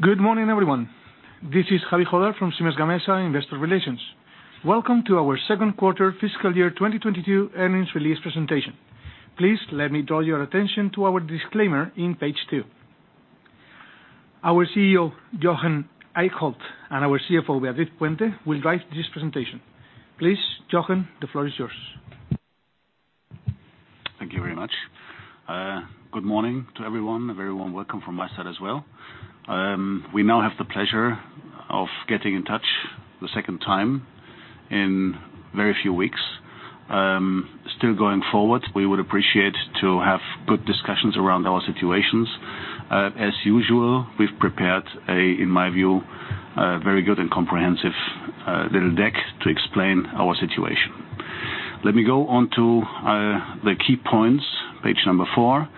Good morning, everyone. This is Javier Jódar from Siemens Gamesa Investor Relations. Welcome to our second quarter fiscal year 2022 earnings release presentation. Please let me draw your attention to our disclaimer on page two. Our CEO, Jochen Eickholt, and our CFO, Beatriz Puente, will drive this presentation. Please, Jochen, the floor is yours. Thank you very much. Good morning to everyone. A very warm welcome from my side as well. We now have the pleasure of getting in touch the second time in very few weeks. Still going forward, we would appreciate to have good discussions around our situations. As usual, we've prepared, in my view, a very good and comprehensive little deck to explain our situation. Let me go on to the key points, page number four.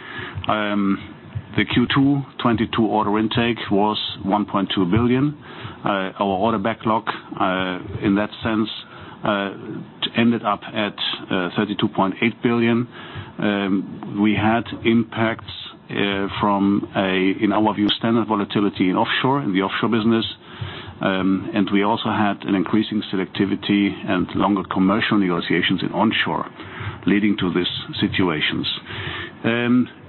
The Q2 2022 order intake was 1.2 billion. Our order backlog, in that sense, ended up at 32.8 billion. We had impacts from, in our view, standard volatility in offshore, in the offshore business. We also had an increasing selectivity and longer commercial negotiations in onshore leading to these situations.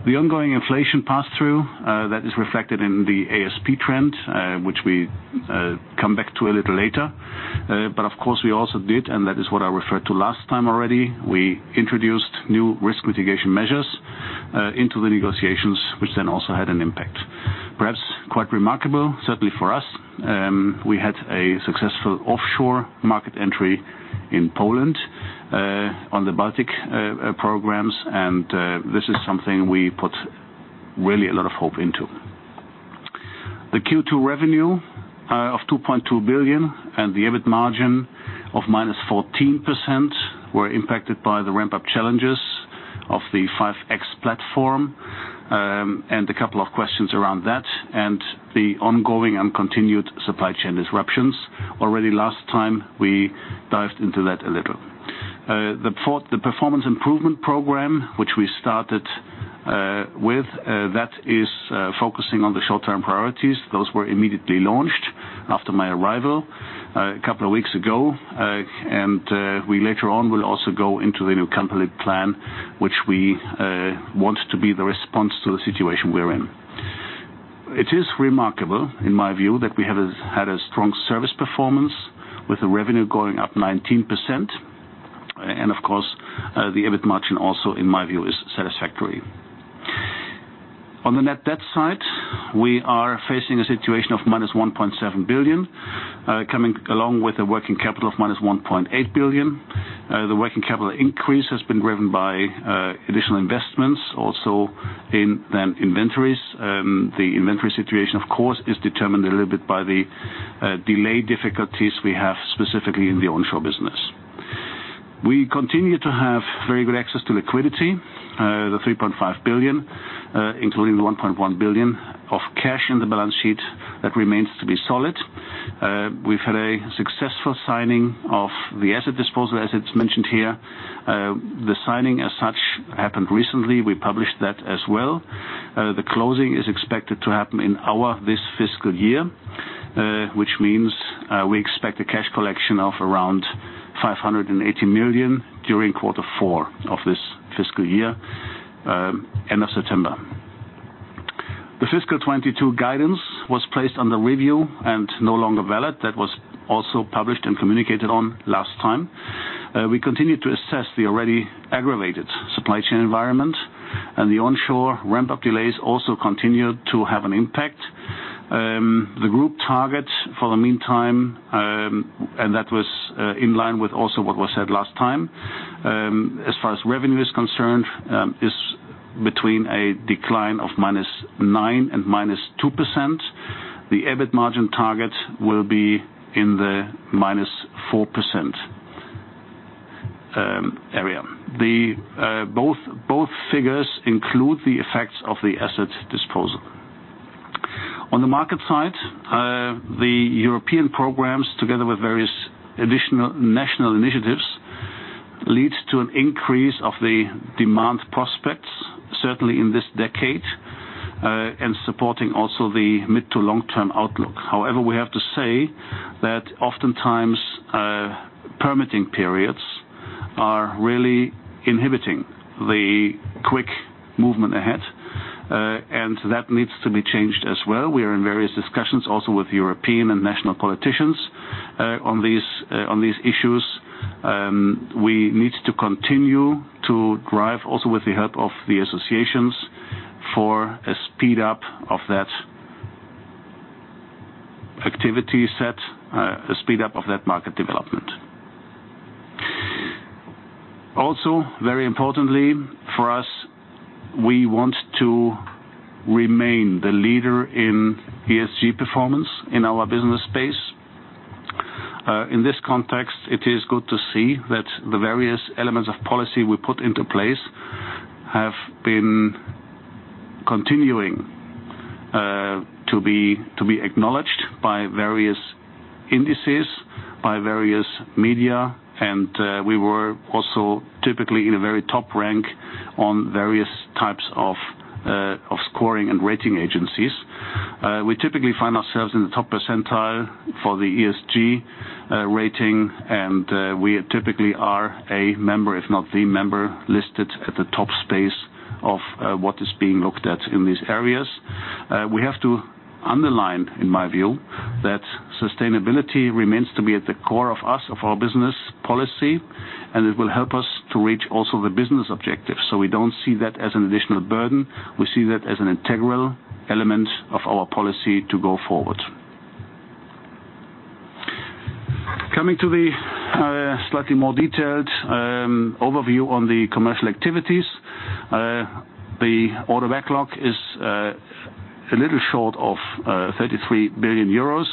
The ongoing inflation pass-through that is reflected in the ASP trend, which we come back to a little later. Of course we also did, and that is what I referred to last time already, we introduced new risk mitigation measures into the negotiations, which then also had an impact. Perhaps quite remarkable, certainly for us, we had a successful offshore market entry in Poland on the Baltic programs, and this is something we put really a lot of hope into. The Q2 revenue of 2.2 billion and the EBIT margin of -14% were impacted by the ramp-up challenges of the 5.X platform, and a couple of questions around that, and the ongoing and continued supply chain disruptions. Already last time, we dived into that a little. The performance improvement program, which we started with that is focusing on the short-term priorities. Those were immediately launched after my arrival a couple of weeks ago. We later on will also go into the new company plan, which we want to be the response to the situation we're in. It is remarkable, in my view, that we have had a strong service performance with the revenue going up 19%. Of course, the EBIT margin also, in my view, is satisfactory. On the net debt side, we are facing a situation of -1.7 billion, coming along with a working capital of -1.8 billion. The working capital increase has been driven by additional investments also in the inventories. The inventory situation, of course, is determined a little bit by the delay difficulties we have specifically in the onshore business. We continue to have very good access to liquidity, the 3.5 billion, including the 1.1 billion of cash in the balance sheet. That remains to be solid. We've had a successful signing of the asset disposal, as it's mentioned here. The signing as such happened recently. We published that as well. The closing is expected to happen in our this fiscal year, which means, we expect a cash collection of around 580 million during quarter four of this fiscal year, end of September. The fiscal 2022 guidance was placed under review and no longer valid. That was also published and communicated on last time. We continued to assess the already aggravated supply chain environment, and the onshore ramp-up delays also continued to have an impact. The group target for the meantime, and that was in line with also what was said last time, as far as revenue is concerned, is between a decline of -9% and -2%. The EBIT margin target will be in the -4% area. Both figures include the effects of the asset disposal. On the market side, the European programs, together with various additional national initiatives, leads to an increase of the demand prospects, certainly in this decade, and supporting also the mid to long-term outlook. However, we have to say that oftentimes, permitting periods are really inhibiting the quick movement ahead, and that needs to be changed as well. We are in various discussions also with European and national politicians, on these issues. We need to continue to drive also with the help of the associations for a speed up of that market development. Also, very importantly for us, we want to remain the leader in ESG performance in our business space. In this context, it is good to see that the various elements of policy we put into place have been continuing to be acknowledged by various indices, by various media, and we were also typically in a very top rank on various types of scoring and rating agencies. We typically find ourselves in the top percentile for the ESG rating, and we typically are a member, if not the member, listed at the top spot of what is being looked at in these areas. We have to underline, in my view, that sustainability remains at the core of our business policy, and it will help us to reach also the business objectives. We don't see that as an additional burden. We see that as an integral element of our policy to go forward. Coming to the slightly more detailed overview on the commercial activities. The order backlog is a little short of 33 billion euros.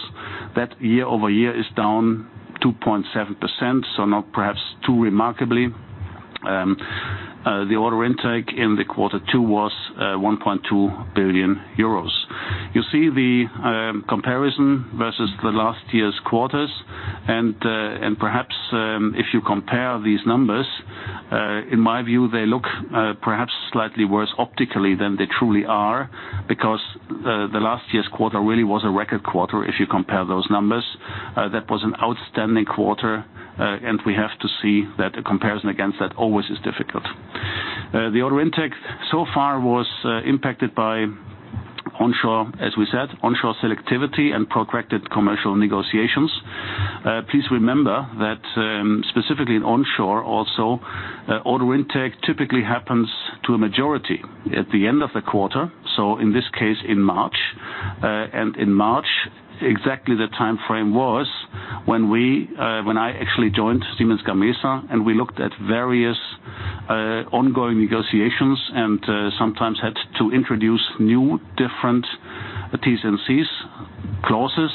That year-over-year is down 2.7%, so not perhaps too remarkably. The order intake in quarter two was 1.2 billion euros. You see the comparison versus last year's quarters. Perhaps if you compare these numbers, in my view, they look perhaps slightly worse optically than they truly are, because last year's quarter really was a record quarter if you compare those numbers. That was an outstanding quarter, and we have to see that a comparison against that always is difficult. The order intake so far was impacted by onshore, as we said, onshore selectivity and protracted commercial negotiations. Please remember that, specifically in onshore, also, order intake typically happens to a majority at the end of the quarter, so in this case, in March. In March, exactly the timeframe was when I actually joined Siemens Gamesa, and we looked at various ongoing negotiations and sometimes had to introduce new, different T&Cs, clauses.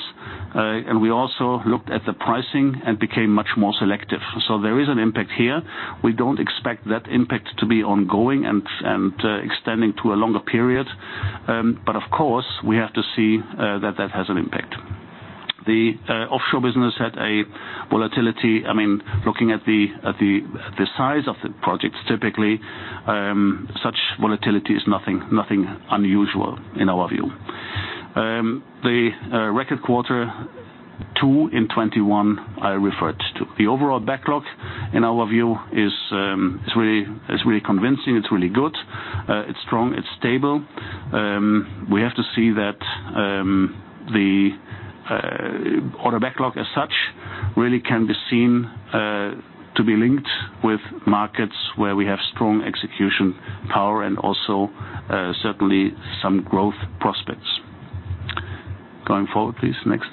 We also looked at the pricing and became much more selective. There is an impact here. We don't expect that impact to be ongoing and extending to a longer period. Of course, we have to see that has an impact. The offshore business had a volatility. I mean, looking at the size of the projects, typically, such volatility is nothing unusual in our view. Record quarter two in 2021, I referred to. The overall backlog, in our view, is really convincing. It's really good. It's strong, it's stable. We have to see that the order backlog as such really can be seen to be linked with markets where we have strong execution power and also certainly some growth prospects. Going forward, please. Next.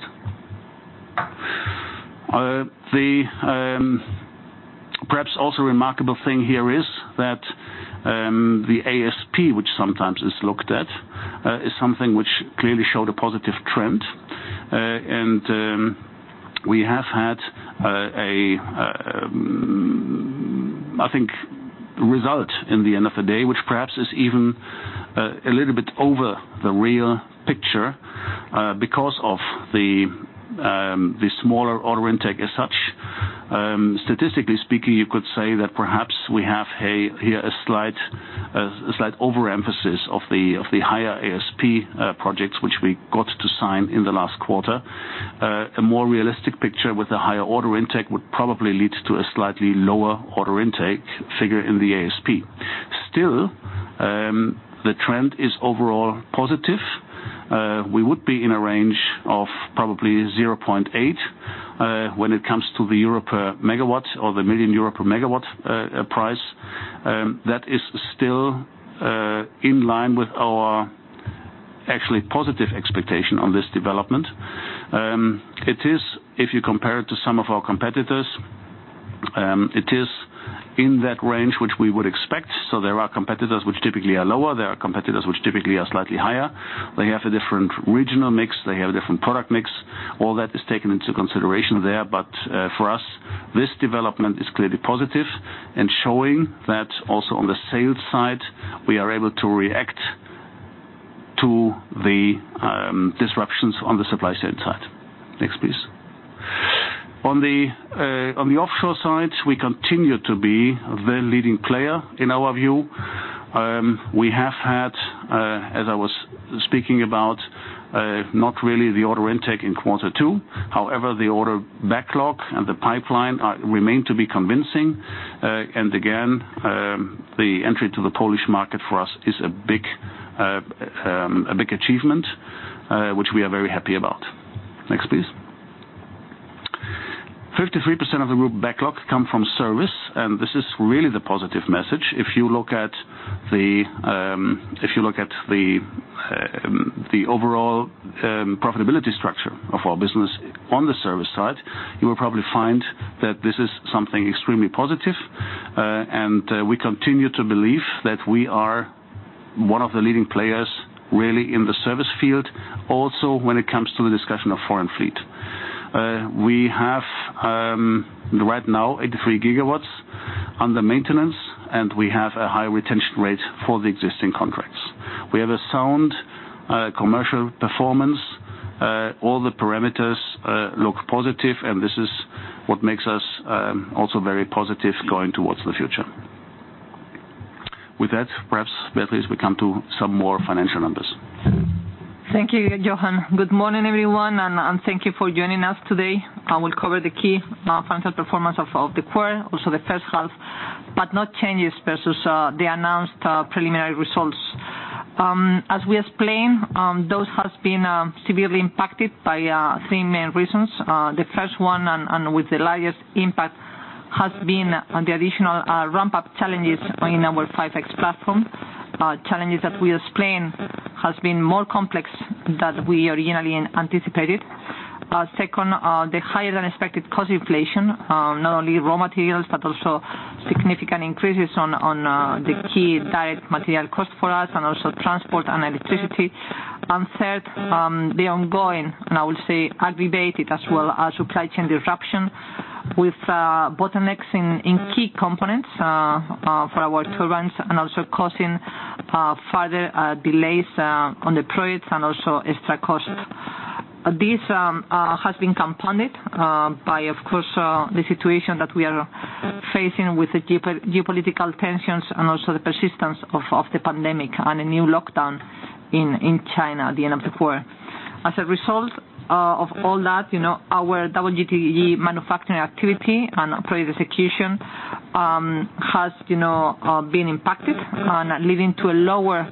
The perhaps also remarkable thing here is that the ASP, which sometimes is looked at, is something which clearly showed a positive trend. We have had a result, I think, in the end of the day, which perhaps is even a little bit over the real picture because of the smaller order intake as such. Statistically speaking, you could say that perhaps we have a slight overemphasis of the higher ASP projects which we got to sign in the last quarter. A more realistic picture with a higher order intake would probably lead to a slightly lower order intake figure in the ASP. Still, the trend is overall positive. We would be in a range of probably 0.8 million euro per megawatt price. That is still in line with our actually positive expectation on this development. It is, if you compare it to some of our competitors, it is in that range which we would expect. There are competitors which typically are lower. There are competitors which typically are slightly higher. They have a different regional mix. They have a different product mix. All that is taken into consideration there. For us, this development is clearly positive and showing that also on the sales side, we are able to react to the disruptions on the supply side. Next, please. On the offshore side, we continue to be the leading player in our view. We have had, as I was speaking about, not really the order intake in quarter two. However, the order backlog and the pipeline and remain to be convincing. And again, the entry to the Polish market for us is a big achievement, which we are very happy about. Next, please. 53% of the group backlog come from service, and this is really the positive message. If you look at the overall profitability structure of our business on the service side, you will probably find that this is something extremely positive. We continue to believe that we are one of the leading players really in the service field, also when it comes to the discussion of installed fleet. We have right now 83 GW under maintenance, and we have a high retention rate for the existing contracts. We have a sound commercial performance. All the parameters look positive, and this is what makes us also very positive going towards the future. With that, perhaps, Beatriz, we come to some more financial numbers. Thank you, Jochen. Good morning, everyone, and thank you for joining us today. I will cover the key financial performance of the quarter, also the first half, but no changes versus the announced preliminary results. As we explained, those has been severely impacted by three main reasons. The first one and with the largest impact has been on the additional ramp-up challenges in our 5.X platform, challenges that we explained has been more complex than we originally anticipated. Second, the higher-than-expected cost inflation, not only raw materials, but also significant increases on the key direct material cost for us and also transport and electricity. Third, the ongoing, and I will say aggravated as well, supply chain disruption with bottlenecks in key components for our turbines and also causing further delays on the projects and also extra costs. This has been compounded by, of course, the situation that we are facing with the geopolitical tensions and also the persistence of the pandemic and a new lockdown in China at the end of the quarter. As a result of all that, you know, our WTG manufacturing activity and project execution has, you know, been impacted on leading to a lower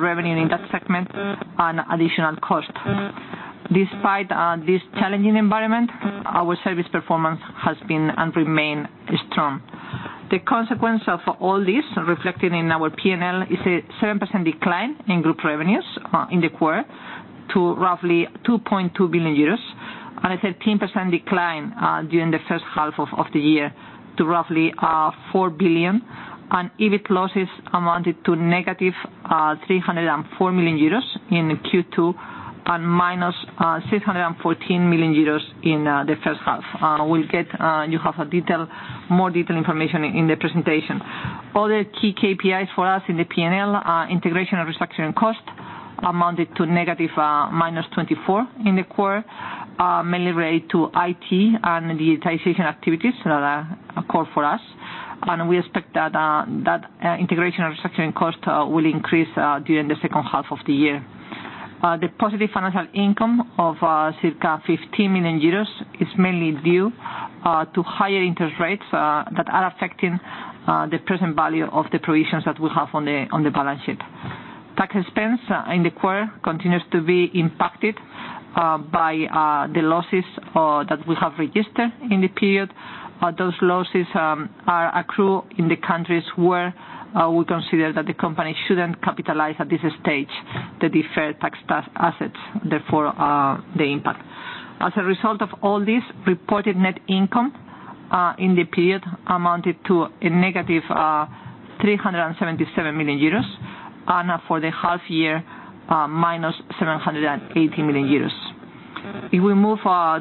revenue in that segment and additional costs. Despite this challenging environment, our service performance has been and remain strong. The consequence of all this reflected in our P&L is a 7% decline in group revenues in the quarter to roughly 2.2 billion euros, and a 13% decline during the first half of the year to roughly 4 billion. EBIT losses amounted to -304 million euros in Q2 and EUR -614 million in the first half. We'll get more detailed information in the presentation. Other key KPIs for us in the P&L are integration and restructuring costs amounted to negative -24 in the quarter, mainly related to IT and digitization activities that are core for us. We expect that integration and restructuring cost will increase during the second half of the year. The positive financial income of circa 15 million euros is mainly due to higher interest rates that are affecting the present value of the provisions that we have on the balance sheet. Tax expense in the quarter continues to be impacted by the losses that we have registered in the period. Those losses are accrued in the countries where we consider that the company shouldn't capitalize at this stage the deferred tax assets, therefore the impact. As a result of all this, reported net income in the period amounted to a -377 million euros, and for the half year, -780 million euros. If we move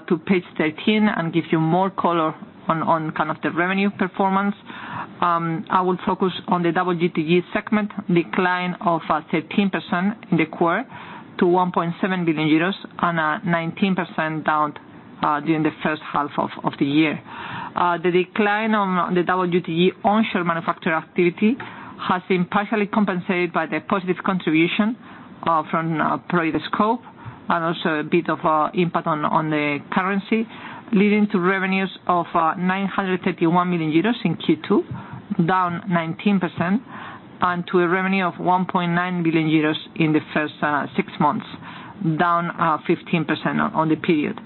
to page 13 and give you more color on kind of the revenue performance, I will focus on the WTG segment decline of 13% in the quarter to 1.7 billion euros and a 19% down during the first half of the year. The decline on the WTG onshore manufacture activity has been partially compensated by the positive contribution from project scope and also a bit of impact on the currency, leading to revenues of 931 million euros in Q2, down 19%, and to a revenue of 1.9 billion euros in the first six months, down 15% on the period.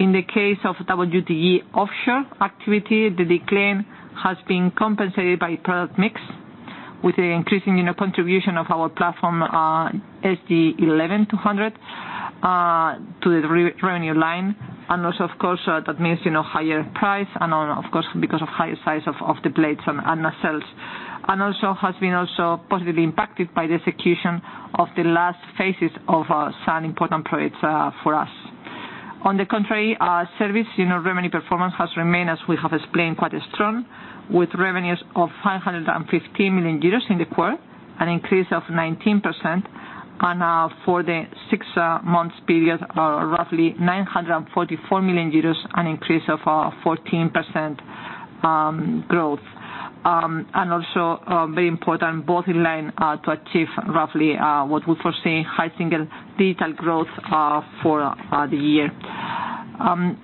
In the case of WTG offshore activity, the decline has been compensated by product mix with the increasing contribution of our platform, SG 11 200, to the revenue line. Also, of course, that means, you know, higher price and, of course, because of higher size of the blades and nacelles. It also has been positively impacted by the execution of the last phases of some important projects for us. On the contrary, our service, you know, revenue performance has remained, as we have explained, quite strong, with revenues of 550 million euros in the quarter, an increase of 19%, and for the six months period, roughly 944 million euros, an increase of 14% growth. Very important, both in line to achieve roughly what we foresee high single-digit% growth for the year.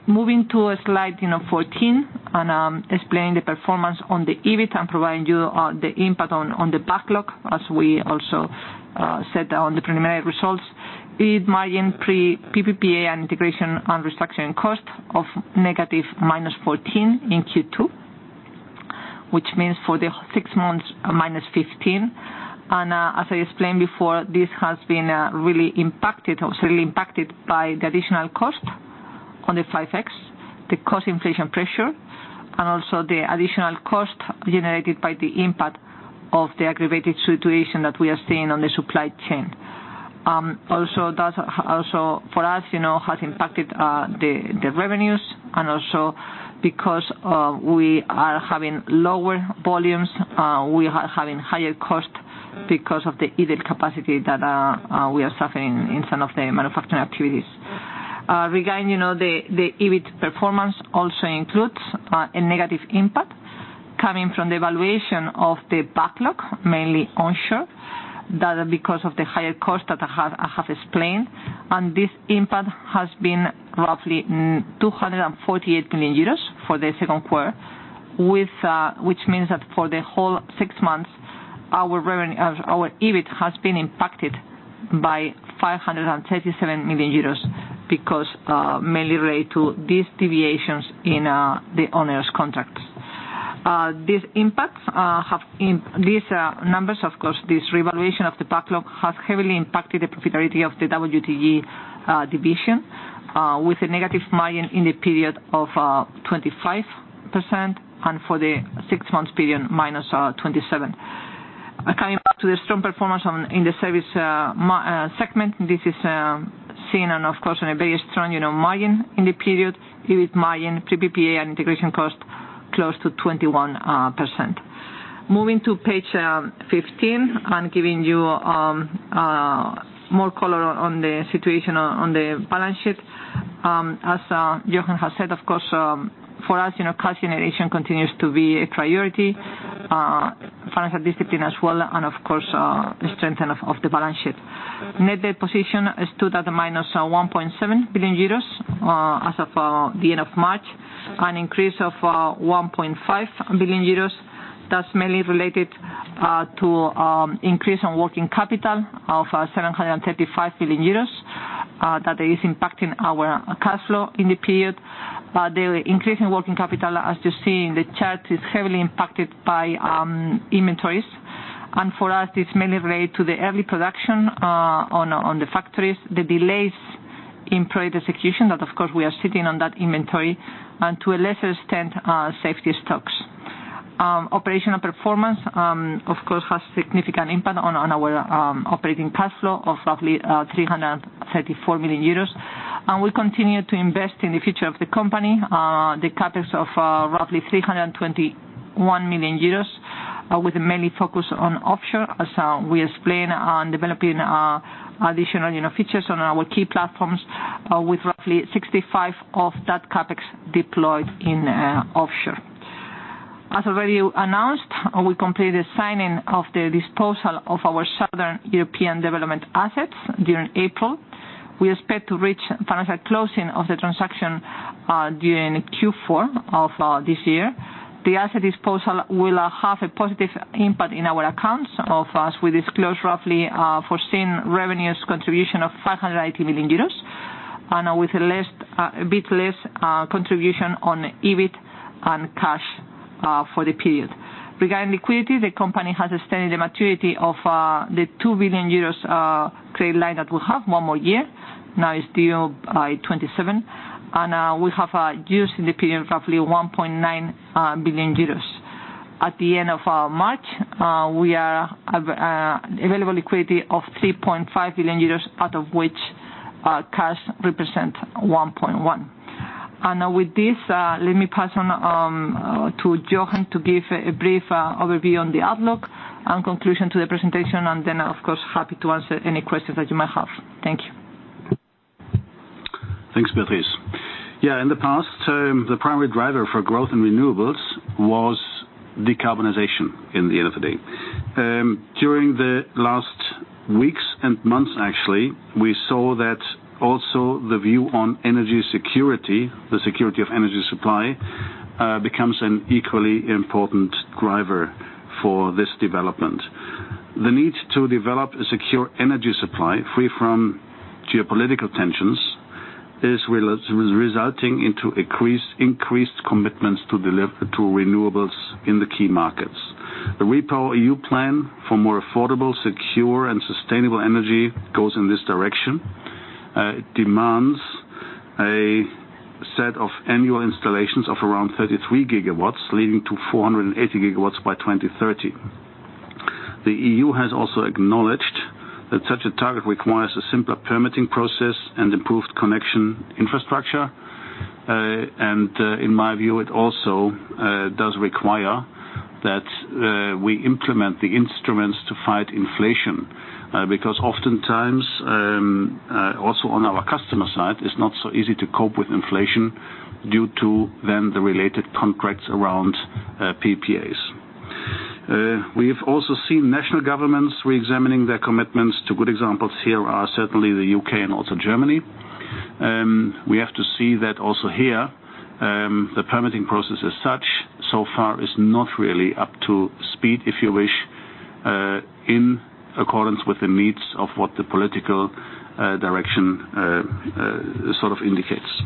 Moving to slide 14, you know, and explaining the performance on the EBIT and providing you the impact on the backlog, as we also said on the preliminary results. EBIT margin pre PPA and integration and restructuring cost of -14% in Q2, which means for the six months, -15%. As I explained before, this has been really impacted, or certainly impacted by the additional cost on the 5.X, the cost inflation pressure, and also the additional cost generated by the impact of the aggravated situation that we are seeing on the supply chain. Also for us, you know, has impacted the revenues and also because we are having lower volumes, we are having higher cost because of the idle capacity that we are suffering in some of the manufacturing activities. Regarding, you know, the EBIT performance also includes a negative impact coming from the valuation of the backlog, mainly onshore. That because of the higher cost that I have explained, and this impact has been roughly 248 million euros for the second quarter. which means that for the whole six months, our EBIT has been impacted by 537 million euros because mainly related to these deviations in the onshore contracts. These impacts, these numbers of course, this revaluation of the backlog has heavily impacted the profitability of the WTG division with a negative margin in the period of 25% and for the six-month period, -27%. Coming back to the strong performance in the service segment, this is seen and of course in a very strong, you know, margin in the period, EBIT margin, PPA and integration cost close to 21%. Moving to page 15 and giving you more color on the situation on the balance sheet. As Jochen has said, of course, for us, you know, cash generation continues to be a priority, financial discipline as well and of course, the strength of the balance sheet. Net debt position stood at -1.7 billion euros as of the end of March. An increase of 1.5 billion euros. That's mainly related to increase on working capital of 735 million euros that is impacting our cash flow in the period. The increase in working capital, as you see in the chart, is heavily impacted by inventories. For us, it's mainly related to the early production on the factories, the delays in project execution, that of course, we are sitting on that inventory and to a lesser extent, safety stocks. Operational performance, of course, has significant impact on our operating cash flow of roughly 334 million euros. We continue to invest in the future of the company, the CapEx of roughly 321 million euros, with mainly focus on offshore, as we explain on developing additional, you know, features on our key platforms, with roughly 65 of that CapEx deployed in offshore. As already announced, we completed the signing of the disposal of our Southern European development assets during April. We expect to reach financial closing of the transaction during Q4 of this year. The asset disposal will have a positive impact in our accounts of, as we disclose, roughly foreseen revenues contribution of 580 million euros, and with less, a bit less contribution on EBIT and cash for the period. Regarding liquidity, the company has extended the maturity of the 2 billion euros credit line that we have one more year. Now it's due by 2027. We have used in the period roughly 1.9 billion euros. At the end of March, we have available liquidity of 3.5 billion euros, out of which cash represent 1.1 billion. With this, let me pass on to Jochen to give a brief overview on the outlook and conclusion to the presentation, and then I, of course, happy to answer any questions that you may have. Thank you. Thanks, Beatriz. Yeah, in the past, the primary driver for growth in renewables was decarbonization in the end of the day. During the last weeks and months, actually, we saw that also the view on energy security, the security of energy supply, becomes an equally important driver for this development. The need to develop a secure energy supply free from geopolitical tensions is resulting in increased commitments to renewables in the key markets. The REPowerEU plan for more affordable, secure, and sustainable energy goes in this direction. It demands a set of annual installations of around 33 GW, leading to 480 GW by 2030. The EU has also acknowledged that such a target requires a simpler permitting process and improved connection infrastructure. In my view, it also does require that we implement the instruments to fight inflation. Because oftentimes, also on our customer side, it's not so easy to cope with inflation due to then the related contracts around, PPAs. We've also seen national governments reexamining their commitments. Two good examples here are certainly the U.K. and also Germany. We have to see that also here, the permitting process as such so far is not really up to speed, if you wish, in accordance with the needs of what the political direction, sort of indicates.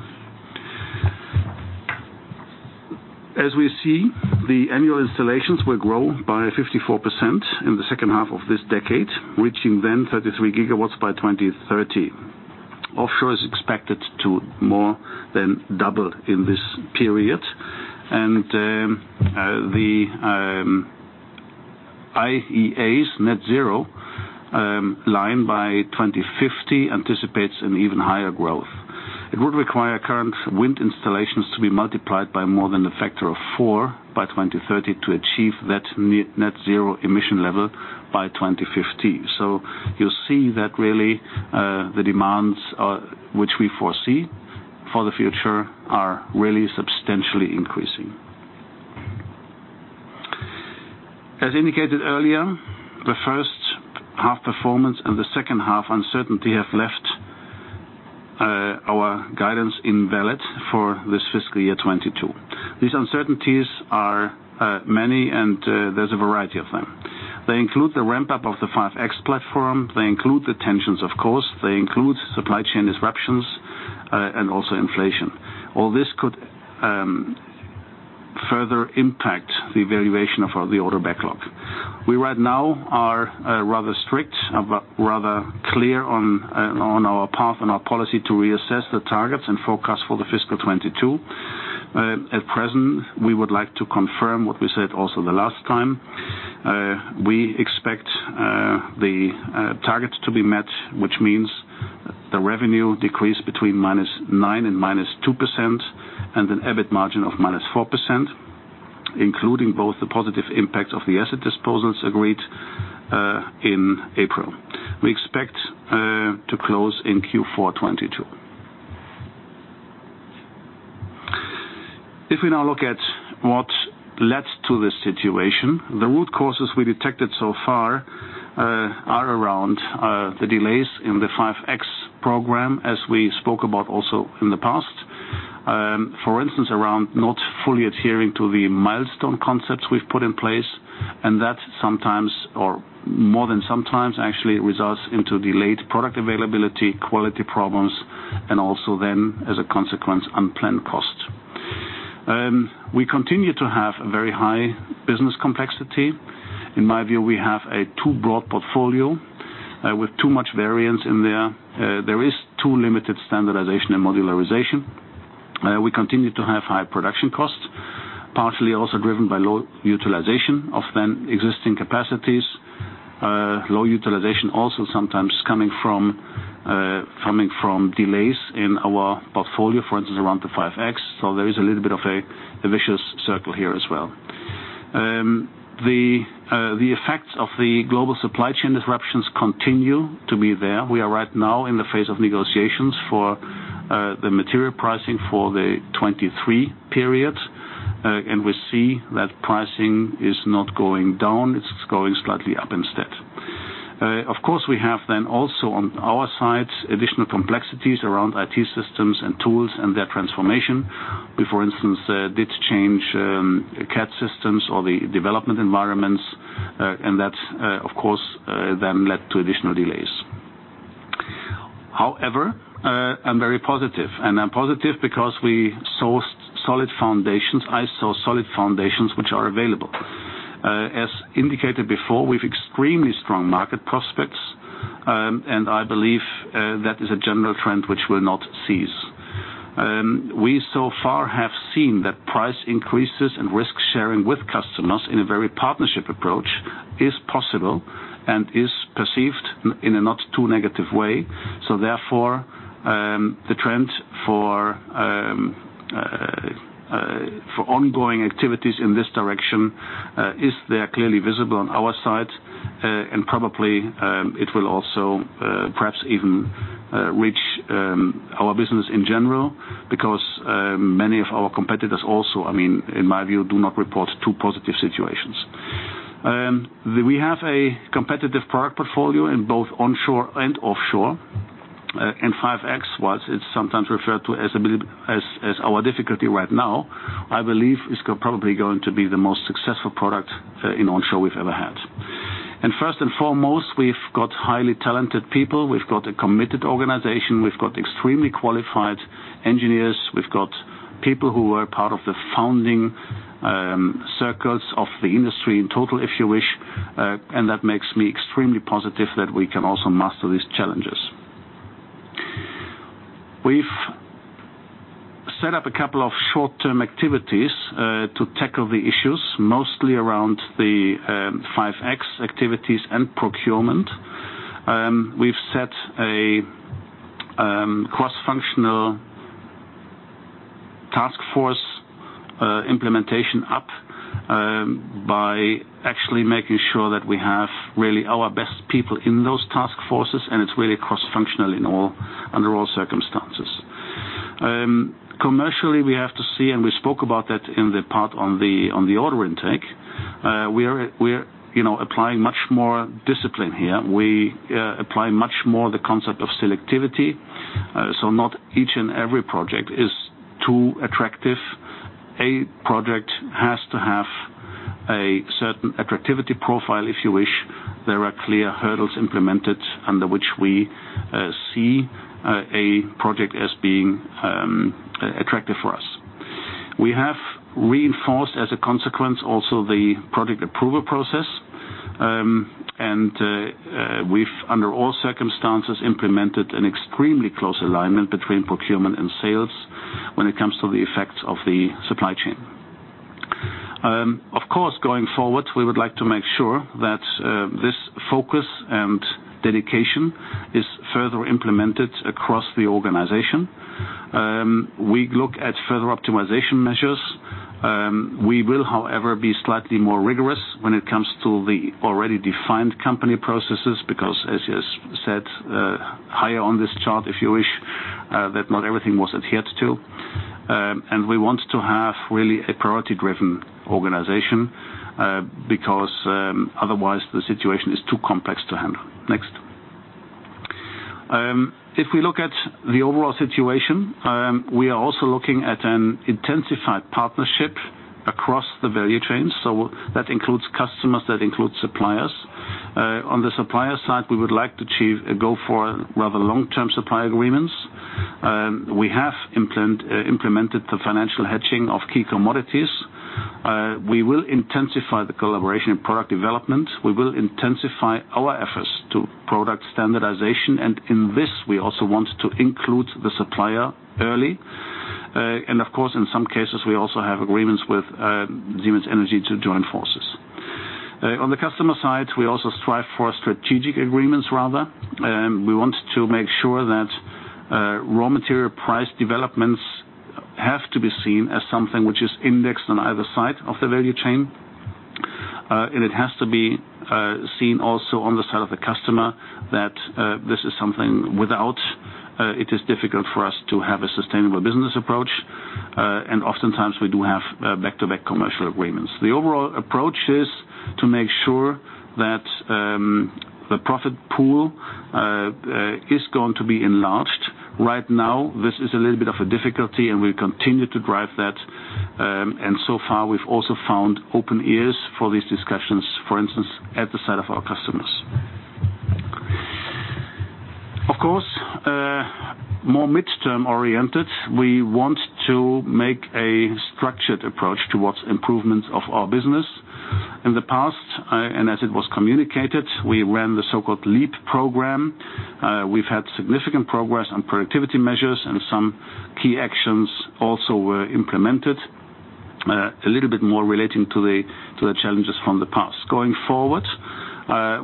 As we see, the annual installations will grow by 54% in the second half of this decade, reaching then 33 GW by 2030. Offshore is expected to more than double in this period. The IEA's net zero line by 2050 anticipates an even higher growth. It would require current wind installations to be multiplied by more than a factor of four by 2030 to achieve that net zero emission level by 2050. You see that really the demands, which we foresee for the future, are really substantially increasing. As indicated earlier, the first half performance and the second half uncertainty have left our guidance invalid for this fiscal year 2022. These uncertainties are many, and there's a variety of them. They include the ramp-up of the 5.X platform. They include the tensions, of course. They include supply chain disruptions and also inflation. All this could further impact the valuation of the order backlog. We right now are rather strict, but rather clear on our path and our policy to reassess the targets and forecast for the fiscal 2022. At present, we would like to confirm what we said also the last time. We expect the targets to be met, which means the revenue decrease between -9% and -2% and an EBIT margin of -4%, including both the positive impact of the asset disposals agreed in April. We expect to close in Q4 2022. If we now look at what led to this situation, the root causes we detected so far are around the delays in the 5.X program, as we spoke about also in the past. For instance, around not fully adhering to the milestone concepts we've put in place, and that sometimes, or more than sometimes actually, results into delayed product availability, quality problems, and also then, as a consequence, unplanned costs. We continue to have a very high business complexity. In my view, we have a too broad portfolio, with too much variance in there. There is too limited standardization and modularization. We continue to have high production costs, partially also driven by low utilization of then existing capacities. Low utilization also sometimes coming from delays in our portfolio, for instance, around the 5.X. There is a little bit of a vicious circle here as well. The effects of the global supply chain disruptions continue to be there. We are right now in the phase of negotiations for the material pricing for the 2023 period. We see that pricing is not going down. It's going slightly up instead. Of course, we have then also on our side additional complexities around IT systems and tools and their transformation. We, for instance, did change CAD systems or the development environments, and that, of course, then led to additional delays. However, I'm very positive, and I'm positive because we saw solid foundations. I saw solid foundations which are available. As indicated before, we've extremely strong market prospects, and I believe that is a general trend which will not cease. We so far have seen that price increases and risk sharing with customers in a very partnership approach is possible and is perceived in a not too negative way. Therefore, the trend for ongoing activities in this direction is there, clearly visible on our side. Probably, it will also perhaps even reach our business in general because many of our competitors also, I mean, in my view, do not report too positive situations. We have a competitive product portfolio in both onshore and offshore. 5.X, whilst it's sometimes referred to as a bit, as our difficulty right now, I believe is probably going to be the most successful product in onshore we've ever had. First and foremost, we've got highly talented people. We've got a committed organization. We've got extremely qualified engineers. We've got people who were part of the founding circles of the industry in total, if you wish. That makes me extremely positive that we can also master these challenges. We've set up a couple of short-term activities to tackle the issues, mostly around the 5.X activities and procurement. We've set a cross-functional task force implementation up by actually making sure that we have really our best people in those task forces, and it's really cross-functional in all under all circumstances. Commercially, we have to see, and we spoke about that in the part on the order intake. We're you know applying much more discipline here. We apply much more the concept of selectivity. Not each and every project is too attractive. A project has to have a certain attractivity profile, if you wish. There are clear hurdles implemented under which we see a project as being attractive for us. We have reinforced as a consequence also the product approval process. We've under all circumstances implemented an extremely close alignment between procurement and sales when it comes to the effects of the supply chain. Of course, going forward, we would like to make sure that this focus and dedication is further implemented across the organization. We look at further optimization measures. We will, however, be slightly more rigorous when it comes to the already defined company processes, because as you said, higher on this chart, if you wish, that not everything was adhered to. We want to have really a priority-driven organization, because otherwise the situation is too complex to handle. Next. If we look at the overall situation, we are also looking at an intensified partnership across the value chain, so that includes customers, that includes suppliers. On the supplier side, we would like to achieve a goal for rather long-term supply agreements. We have implemented the financial hedging of key commodities. We will intensify the collaboration in product development. We will intensify our efforts to product standardization, and in this, we also want to include the supplier early. Of course, in some cases, we also have agreements with Siemens Energy to join forces. On the customer side, we also strive for strategic agreements rather. We want to make sure that raw material price developments have to be seen as something which is indexed on either side of the value chain. It has to be seen also on the side of the customer that this is something without it is difficult for us to have a sustainable business approach. Oftentimes we do have back-to-back commercial agreements. The overall approach is to make sure that the profit pool is going to be enlarged. Right now, this is a little bit of a difficulty, and we continue to drive that, and so far, we've also found open ears for these discussions, for instance, at the side of our customers. Of course, more midterm-oriented, we want to make a structured approach towards improvement of our business. In the past, and as it was communicated, we ran the so-called LEAP program. We've had significant progress on productivity measures, and some key actions also were implemented, a little bit more relating to the challenges from the past. Going forward,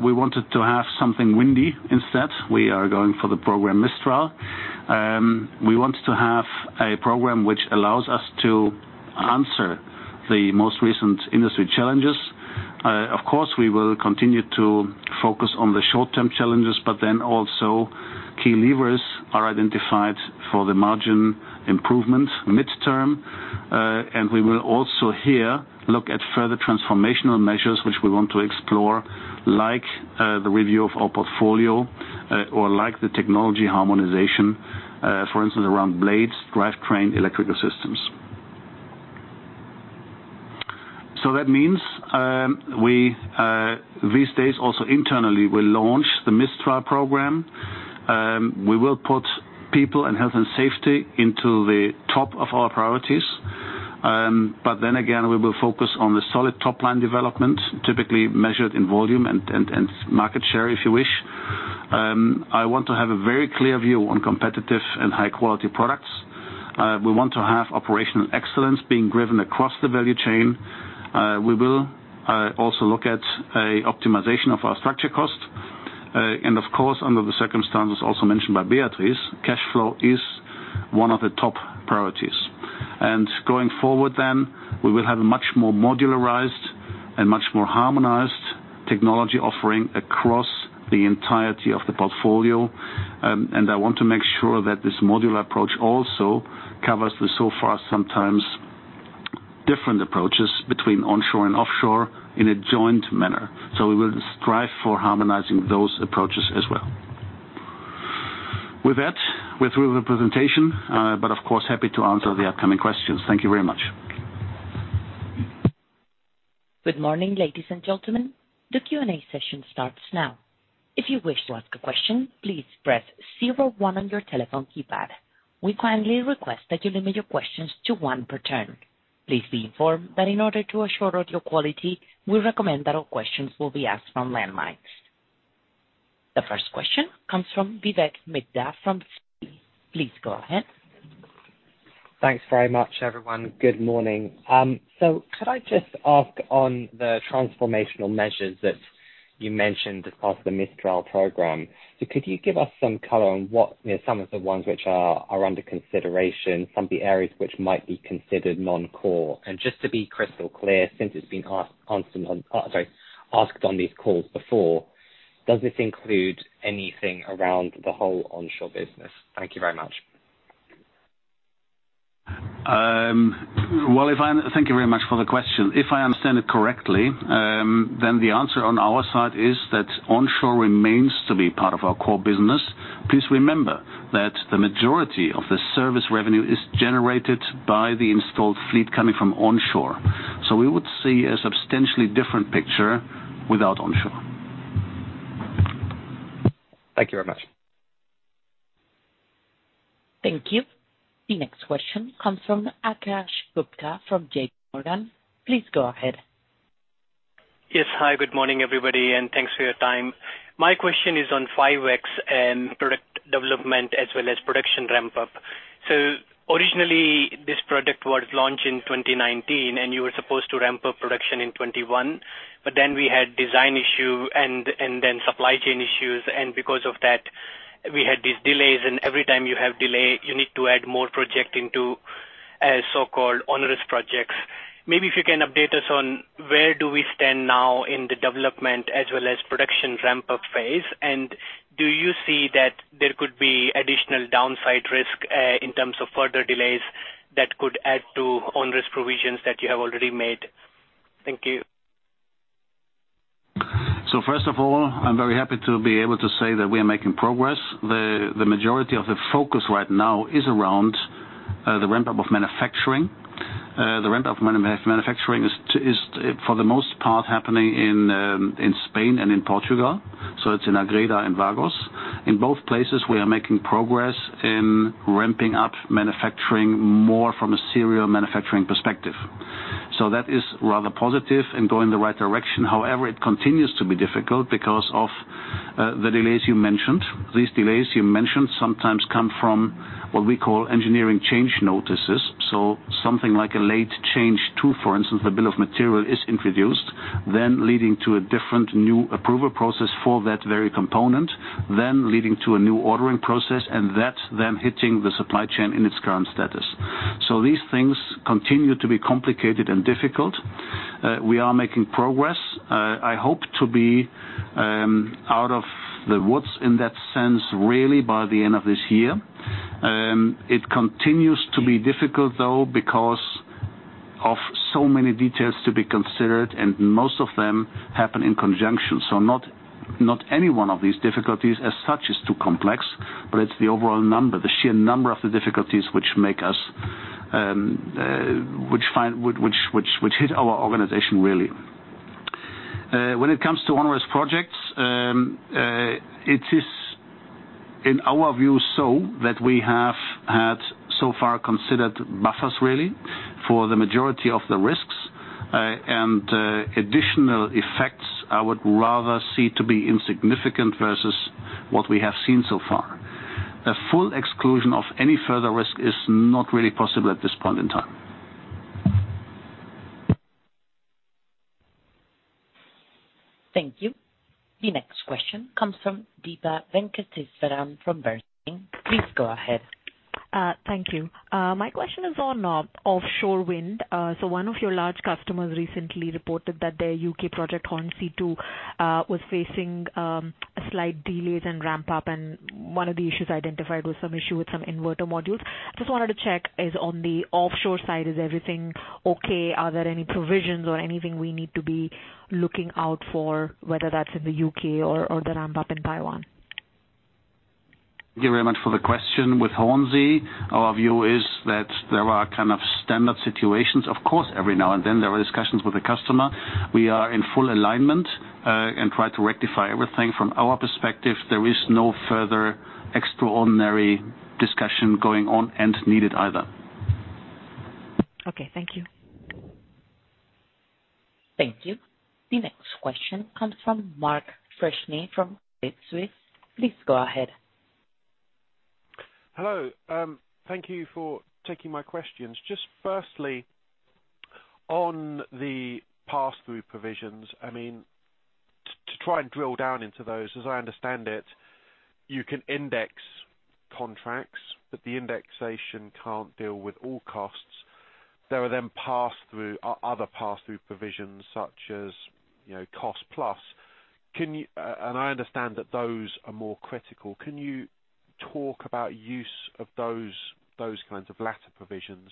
we wanted to have something new. Instead, we are going for the program Mistral. We want to have a program which allows us to answer the most recent industry challenges. Of course, we will continue to focus on the short-term challenges, but then also key levers are identified for the margin improvement midterm. We will also here look at further transformational measures which we want to explore, like the review of our portfolio or like the technology harmonization, for instance, around blades, drivetrain, electrical systems. That means we these days also internally will launch the Mistral program. We will put people and health and safety into the top of our priorities. But then again, we will focus on the solid top-line development, typically measured in volume and market share, if you wish. I want to have a very clear view on competitive and high-quality products. We want to have operational excellence being driven across the value chain. We will also look at an optimization of our cost structure. Of course, under the circumstances also mentioned by Beatriz, cash flow is one of the top priorities. Going forward then, we will have a much more modularized and much more harmonized technology offering across the entirety of the portfolio. I want to make sure that this modular approach also covers the so far sometimes different approaches between onshore and offshore in a joint manner. We will strive for harmonizing those approaches as well. With that, we're through the presentation, but of course, happy to answer the upcoming questions. Thank you very much. Good morning, ladies and gentlemen. The Q&A session starts now. If you wish to ask a question, please press zero-one on your telephone keypad. We kindly request that you limit your questions to one per turn. Please be informed that in order to assure audio quality, we recommend that all questions will be asked from landlines. The first question comes from Vivek Midha from Citi. Please go ahead. Thanks very much, everyone. Good morning. Could I just ask on the transformational measures that you mentioned as part of the Mistral program. Could you give us some color on what, you know, some of the ones which are under consideration, some of the areas which might be considered non-core? Just to be crystal clear, since it's been asked on these calls before, does this include anything around the whole onshore business? Thank you very much. Well, thank you very much for the question. If I understand it correctly, then the answer on our side is that onshore remains to be part of our core business. Please remember that the majority of the service revenue is generated by the installed fleet coming from onshore. We would see a substantially different picture without onshore. Thank you very much. Thank you. The next question comes from Akash Gupta from J.P. Morgan. Please go ahead. Yes. Hi, good morning, everybody, and thanks for your time. My question is on 5.X and product development as well as production ramp up. Originally this product was launched in 2019, and you were supposed to ramp up production in 2021, but then we had design issue and then supply chain issues. Because of that, we had these delays. Every time you have delay, you need to add more project into as so-called onerous projects. If you can update us on where do we stand now in the development as well as production ramp up phase. Do you see that there could be additional downside risk in terms of further delays that could add to onerous provisions that you have already made? Thank you. First of all, I'm very happy to be able to say that we are making progress. The majority of the focus right now is around the ramp up of manufacturing. The ramp up of manufacturing is for the most part happening in Spain and in Portugal. It's in Ágreda and Vagos. In both places we are making progress in ramping up manufacturing more from a serial manufacturing perspective. That is rather positive and going the right direction. However, it continues to be difficult because of the delays you mentioned. These delays you mentioned sometimes come from what we call engineering change notices. Something like a late change to, for instance, the bill of material is introduced, then leading to a different new approval process for that very component, then leading to a new ordering process, and that's then hitting the supply chain in its current status. These things continue to be complicated and difficult. We are making progress. I hope to be out of the woods in that sense, really by the end of this year. It continues to be difficult though because of so many details to be considered, and most of them happen in conjunction. Not any one of these difficulties as such is too complex, but it's the overall number, the sheer number of the difficulties which make us which hit our organization really. When it comes to onerous projects, it is in our view so that we have had so far considered buffers really for the majority of the risks. Additional effects I would rather see to be insignificant versus what we have seen so far. A full exclusion of any further risk is not really possible at this point in time. Thank you. The next question comes from Deepa Venkateswaran from Bernstein. Please go ahead. Thank you. My question is on offshore wind. One of your large customers recently reported that their U.K project Hornsea Two was facing a slight delay in ramp up, and one of the issues identified was some issue with some inverter modules. Just wanted to check is on the offshore side, is everything okay? Are there any provisions or anything we need to be looking out for, whether that's in the U.K or the ramp up in Taiwan? Thank you very much for the question. With Hornsea, our view is that there are kind of standard situations. Of course, every now and then there are discussions with the customer. We are in full alignment and try to rectify everything. From our perspective, there is no further extraordinary discussion going on and needed either. Okay. Thank you. Thank you. The next question comes from Mark Freshney from Credit Suisse. Please go ahead. Hello. Thank you for taking my questions. Just firstly, on the pass-through provisions, I mean, to try and drill down into those, as I understand it, you can index contracts, but the indexation can't deal with all costs. There are then other pass-through provisions such as, you know, cost plus. And I understand that those are more critical. Can you talk about use of those kinds of latter provisions?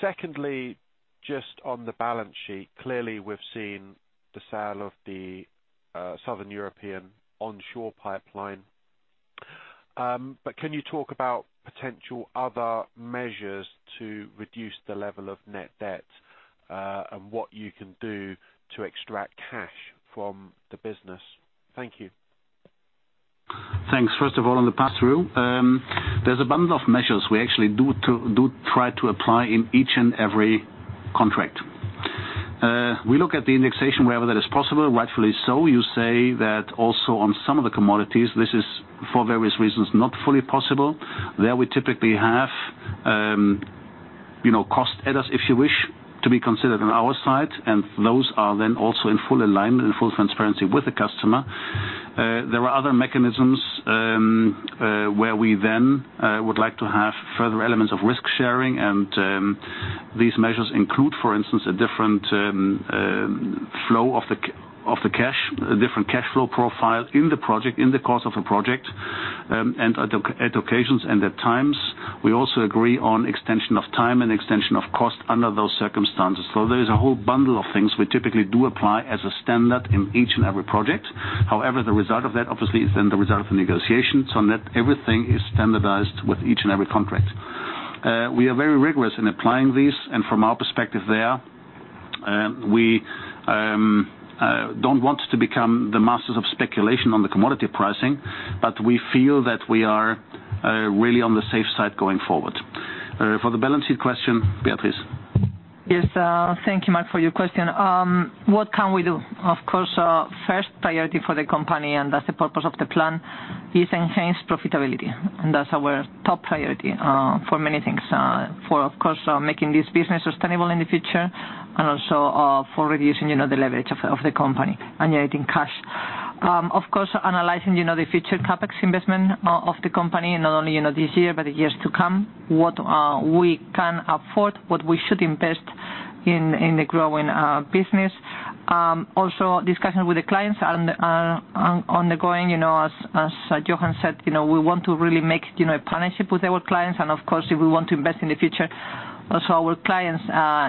Secondly, just on the balance sheet, clearly we've seen the sale of the Southern European onshore pipeline. Can you talk about potential other measures to reduce the level of net debt, and what you can do to extract cash from the business? Thank you. Thanks. First of all, on the pass-through, there's a bundle of measures we actually do try to apply in each and every contract. We look at the indexation wherever that is possible, rightfully so. You say that also on some of the commodities this is for various reasons, not fully possible. There we typically have, you know, cost adders, if you wish to be considered on our side, and those are then also in full alignment and full transparency with the customer. There are other mechanisms where we then would like to have further elements of risk sharing and these measures include, for instance, a different flow of the cash, a different cash flow profile in the project, in the course of a project. On occasions and at times, we also agree on extension of time and extension of cost under those circumstances. There is a whole bundle of things we typically do apply as a standard in each and every project. However, the result of that obviously is then the result of the negotiation, so on net everything is standardized with each and every contract. We are very rigorous in applying these and from our perspective, therefore we don't want to become the masters of speculation on the commodity pricing, but we feel that we are really on the safe side going forward. For the balance sheet question, Beatriz. Yes. Thank you, Mark, for your question. What can we do? Of course, first priority for the company, and that's the purpose of the plan, is enhanced profitability. That's our top priority for many things. For, of course, making this business sustainable in the future and also for reducing, you know, the leverage of the company and generating cash. Of course, analyzing, you know, the future CapEx investment of the company, not only, you know, this year, but the years to come. What we can afford, what we should invest in the growing business. Discussions with the clients and ongoing, you know, as Jochen said, you know, we want to really make, you know, a partnership with our clients and of course, if we want to invest in the future, also our clients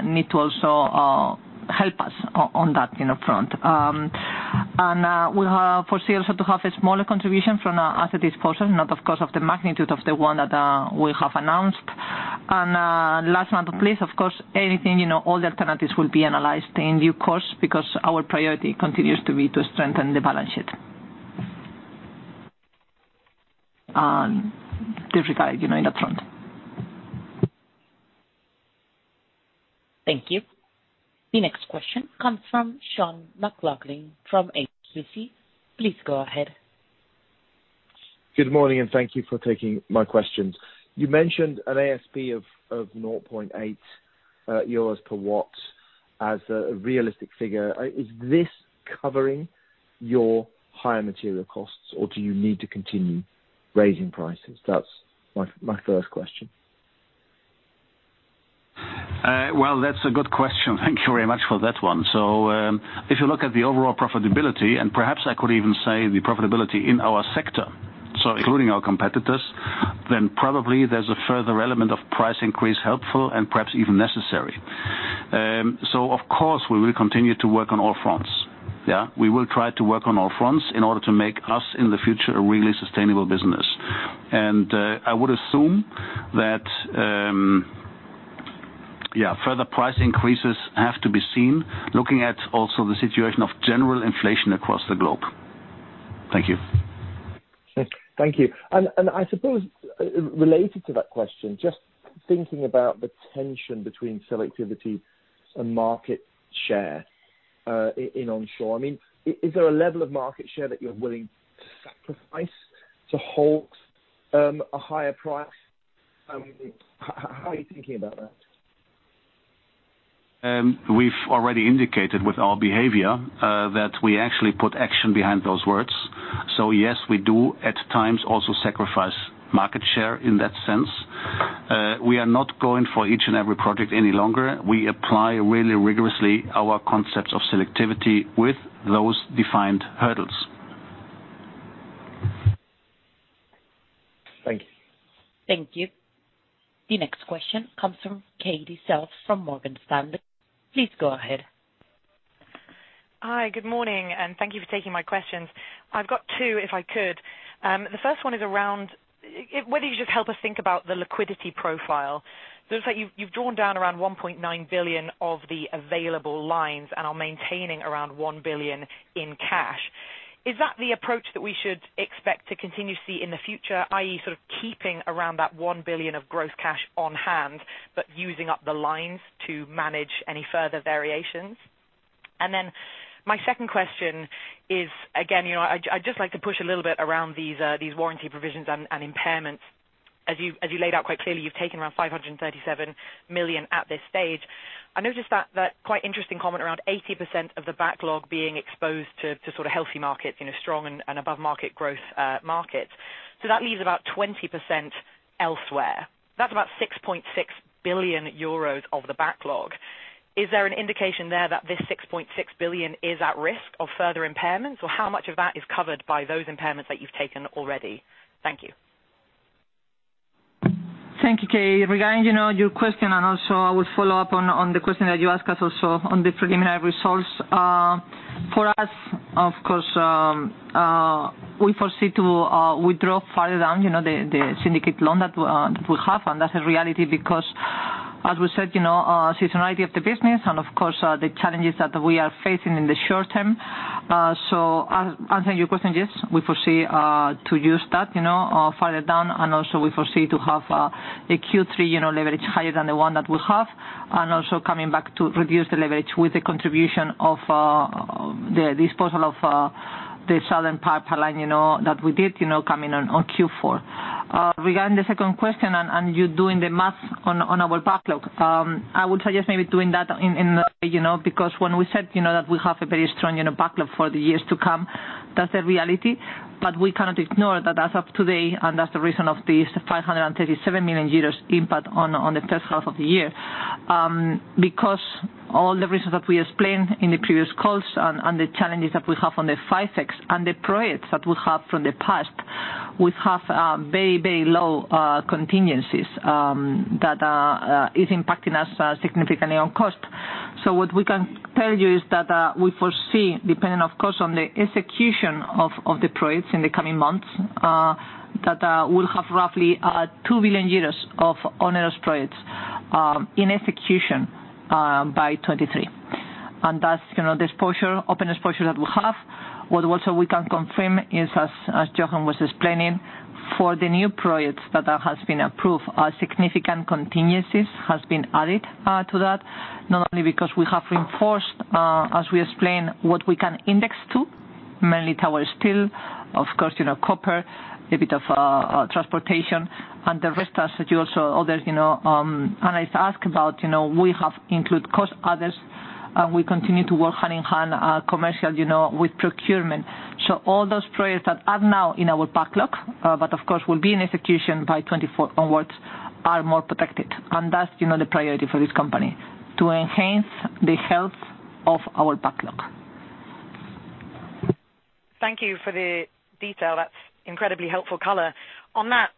need to also help us on that, you know, front. We have forecasts to have a smaller contribution from asset disposal, not, of course, of the magnitude of the one that we have announced. Last but not least, of course, anything, you know, all the alternatives will be analyzed in due course because our priority continues to be to strengthen the balance sheet. In this regard, you know, in that front. Thank you. The next question comes from Sean McLoughlin from HSBC. Please go ahead. Good morning, and thank you for taking my questions. You mentioned an ASP of 0.8 euros per watt as a realistic figure. Is this covering your higher material costs, or do you need to continue raising prices? That's my first question. Well, that's a good question. Thank you very much for that one. If you look at the overall profitability, and perhaps I could even say the profitability in our sector, so including our competitors, then probably there's a further element of price increase helpful and perhaps even necessary. Of course we will continue to work on all fronts. We will try to work on all fronts in order to make us in the future a really sustainable business. I would assume that further price increases have to be seen, looking at also the situation of general inflation across the globe. Thank you. Thank you. I suppose related to that question, just thinking about the tension between selectivity and market share, in onshore. I mean, is there a level of market share that you're willing to sacrifice to hold a higher price? How are you thinking about that? We've already indicated with our behavior that we actually put action behind those words. Yes, we do at times also sacrifice market share in that sense. We are not going for each and every project any longer. We apply really rigorously our concepts of selectivity with those defined hurdles. Thank you. Thank you. The next question comes from Katie Self from Morgan Stanley. Please go ahead. Hi, good morning, and thank you for taking my questions. I've got two if I could. The first one is around whether you just help us think about the liquidity profile. So it's like you've drawn down around 1.9 billion of the available lines and are maintaining around 1 billion in cash. Is that the approach that we should expect to continue to see in the future, i.e. sort of keeping around that 1 billion of gross cash on hand, but using up the lines to manage any further variations? My second question is, again, you know, I'd just like to push a little bit around these warranty provisions and impairments. As you laid out quite clearly, you've taken around 537 million at this stage. I noticed that quite interesting comment around 80% of the backlog being exposed to sort of healthy markets, you know, strong and above market growth, markets. That leaves about 20% elsewhere. That's about 6.6 billion euros of the backlog. Is there an indication there that this 6.6 billion is at risk of further impairments? Or how much of that is covered by those impairments that you've taken already? Thank you. Thank you, Kate. Regarding your question, and also I will follow up on the question that you asked us also on the preliminary results. For us, of course, we foresee to withdraw further down, you know, the syndicate loan that we have. That's a reality because as we said, you know, seasonality of the business and of course, the challenges that we are facing in the short term. Answering your question, yes, we foresee to use that, you know, further down. Also we foresee to have the Q3, you know, leverage higher than the one that we have. Also coming back to reduce the leverage with the contribution of the disposal of the southern pipeline, you know, that we did, you know, coming on Q4. Regarding the second question and you doing the math on our backlog, I would suggest maybe doing that in you know because when we said you know that we have a very strong you know backlog for the years to come, that's a reality. We cannot ignore that as of today, and that's the reason of this 537 million euros impact on the first half of the year. Because all the reasons that we explained in the previous calls and the challenges that we have on the 5.X and the projects that we have from the past, we have very low contingencies that is impacting us significantly on cost. What we can tell you is that we foresee, depending of course, on the execution of the projects in the coming months, that we'll have roughly 2 billion euros of onerous projects in execution by 2023. That's, you know, the exposure, open exposure that we have. What we can also confirm is, as Jochen was explaining, for the new projects that has been approved, a significant contingencies has been added to that, not only because we have reinforced, as we explained, what we can index to, mainly tower steel, of course, you know, copper, a bit of transportation, and the rest as you also others, you know. As I ask about, you know, we have included other costs, we continue to work hand-in-hand commercially, you know, with procurement. All those projects that are now in our backlog, but of course will be in execution by 2024 onwards, are more protected. That's, you know, the priority for this company, to enhance the health of our backlog. Thank you for the detail. That's incredibly helpful color. On that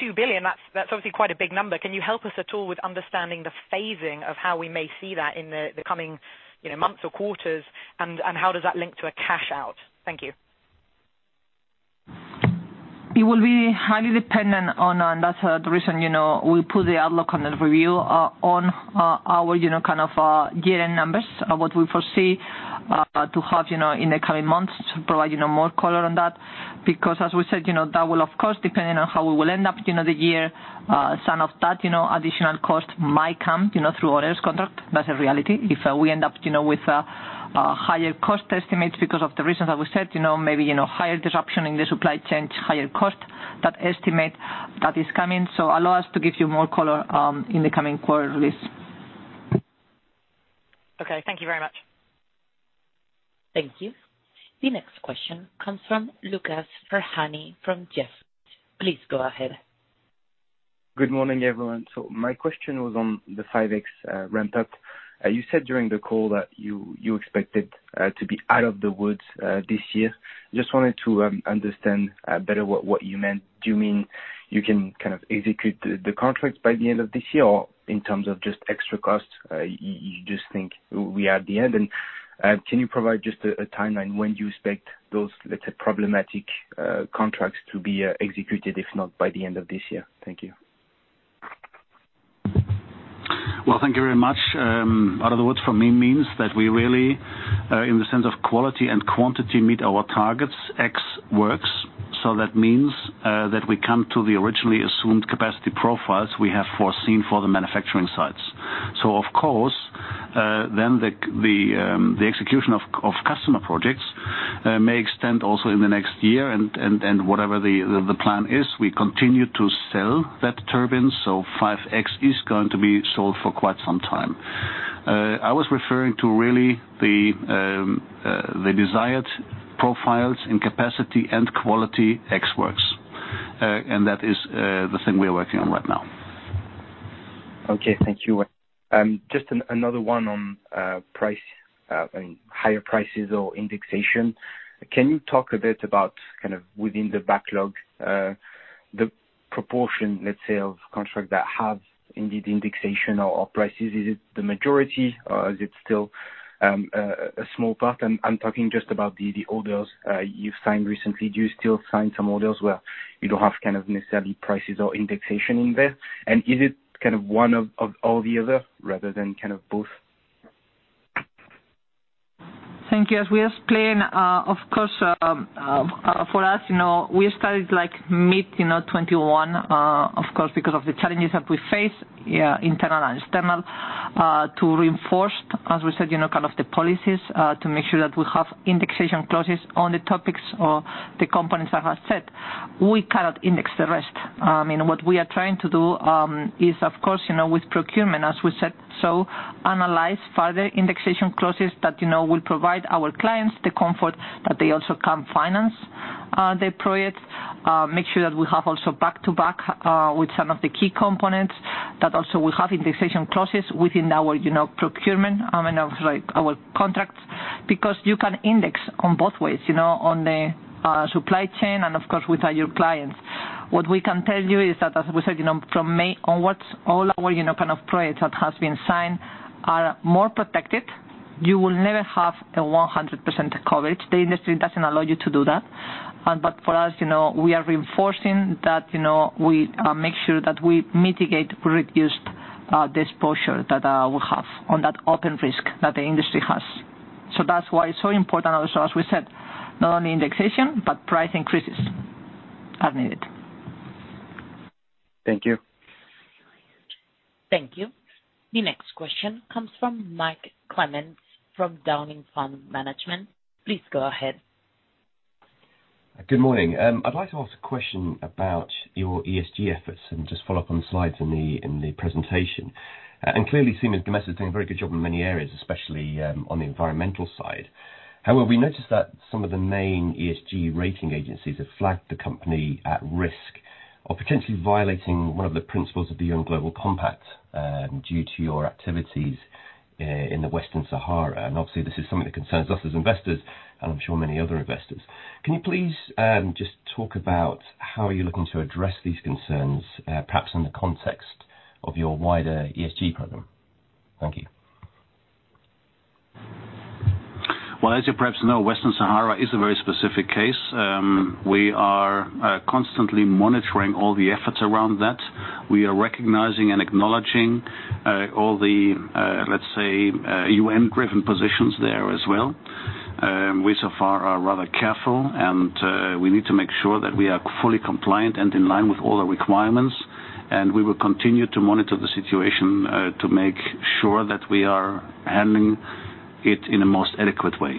2 billion, that's obviously quite a big number. Can you help us at all with understanding the phasing of how we may see that in the coming, you know, months or quarters, and how does that link to a cash out? Thank you. It will be highly dependent on that, and that's the reason, you know, we put the outlook on review on our, you know, kind of, year-end numbers. What we foresee to have, you know, in the coming months to provide, you know, more color on that. Because as we said, you know, that will of course depend on how we will end up, you know, the year. Some of that, you know, additional cost might come, you know, through orders contract. That's a reality. If we end up, you know, with a higher cost estimate because of the reasons that we said, you know, maybe, you know, higher disruption in the supply chain to higher cost, that estimate that is coming. Allow us to give you more color in the coming quarter release. Okay. Thank you very much. Thank you. The next question comes from Lucas Ferhani from Jefferies. Please go ahead. Good morning, everyone. My question was on the 5.X ramp-up. You said during the call that you expected to be out of the woods this year. Just wanted to understand better what you meant. Do you mean you can kind of execute the contracts by the end of this year, or in terms of just extra costs, you just think we are at the end? Can you provide just a timeline when you expect those, let's say, problematic contracts to be executed, if not by the end of this year? Thank you. Well, thank you very much. Out of the woods for me means that we really, in the sense of quality and quantity, meet our targets X works. That means that we come to the originally assumed capacity profiles we have foreseen for the manufacturing sites. Of course, then the execution of customer projects may extend also in the next year and whatever the plan is, we continue to sell that turbine. 5.X is going to be sold for quite some time. I was referring to really the desired profiles in capacity and quality X works. That is the thing we are working on right now. Okay, thank you. Just another one on price, I mean, higher prices or indexation. Can you talk a bit about kind of within the backlog, the proportion, let's say, of contracts that have indeed indexation or prices? Is it the majority or is it still a small part? I'm talking just about the orders you've signed recently. Do you still sign some orders where you don't have kind of necessarily prices or indexation in there? Is it kind of one of all the other rather than kind of both? Thank you. As we explained, of course, for us, you know, we started like mid 2021, of course, because of the challenges that we face, yeah, internal and external, to reinforce, as we said, you know, kind of the policies, to make sure that we have indexation clauses on the topics or the components I have said. We cannot index the rest. You know, what we are trying to do, is of course, you know, with procurement, as we said, so analyze further indexation clauses that, you know, will provide our clients the comfort that they also can finance, the projects. Make sure that we have also back-to-back, with some of the key components, that also we have indexation clauses within our, you know, procurement, and also like our contracts. Because you can index on both ways, you know, on the supply chain and of course with your clients. What we can tell you is that, as we said, you know, from May onwards, all our, you know, kind of projects that has been signed are more protected. You will never have a 100% coverage. The industry doesn't allow you to do that. For us, you know, we are reinforcing that, you know, we make sure that we mitigate reduced this posture that we have on that open risk that the industry has. That's why it's so important also, as we said, not only indexation, but price increases are needed. Thank you. Thank you. The next question comes from Mike Clemens from Downing Fund Management. Please go ahead. Good morning. I'd like to ask a question about your ESG efforts and just follow up on the slides in the presentation. Clearly Siemens Gamesa is doing a very good job in many areas, especially on the environmental side. However, we noticed that some of the main ESG rating agencies have flagged the company at risk of potentially violating one of the principles of the UN Global Compact due to your activities in the Western Sahara. Obviously this is something that concerns us as investors, and I'm sure many other investors. Can you please just talk about how you are looking to address these concerns, perhaps in the context of your wider ESG program? Thank you. Well, as you perhaps know, Western Sahara is a very specific case. We are constantly monitoring all the efforts around that. We are recognizing and acknowledging all the, let's say, UN-driven positions there as well. We so far are rather careful, and we need to make sure that we are fully compliant and in line with all the requirements, and we will continue to monitor the situation, to make sure that we are handling it in a most adequate way.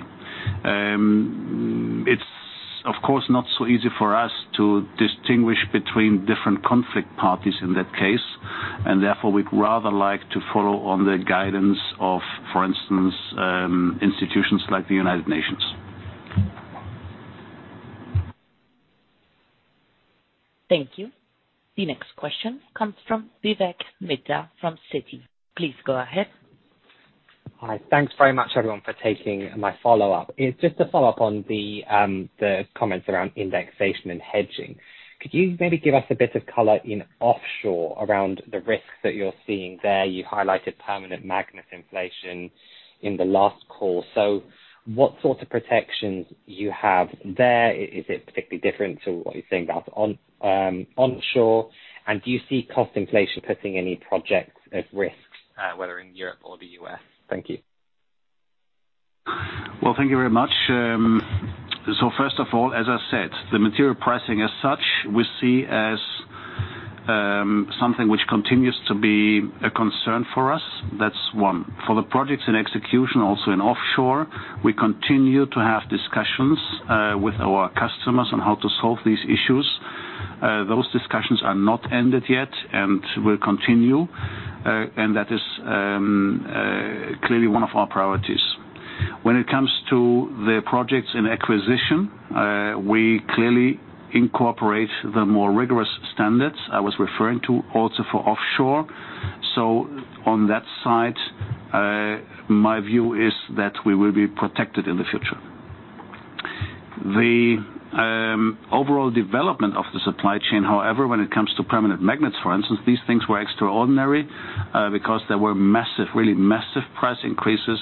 It's of course not so easy for us to distinguish between different conflict parties in that case, and therefore, we'd rather like to follow on the guidance of, for instance, institutions like the United Nations. Thank you. The next question comes from Vivek Midha from Citi. Please go ahead. Hi. Thanks very much, everyone, for taking my follow-up. It's just a follow-up on the comments around indexation and hedging. Could you maybe give us a bit of color in offshore around the risks that you're seeing there? You highlighted permanent magnet inflation in the last call. What sort of protections do you have there? Is it particularly different to what you're seeing about on onshore? And do you see cost inflation putting any projects at risk, whether in Europe or the U.S.? Thank you. Well, thank you very much. First of all, as I said, the material pricing as such we see as something which continues to be a concern for us. That's one. For the projects in execution, also in offshore, we continue to have discussions with our customers on how to solve these issues. Those discussions are not ended yet and will continue. That is clearly one of our priorities. When it comes to the projects in acquisition, we clearly incorporate the more rigorous standards I was referring to also for offshore. On that side, my view is that we will be protected in the future. The overall development of the supply chain, however, when it comes to permanent magnets, for instance, these things were extraordinary because there were massive, really massive price increases.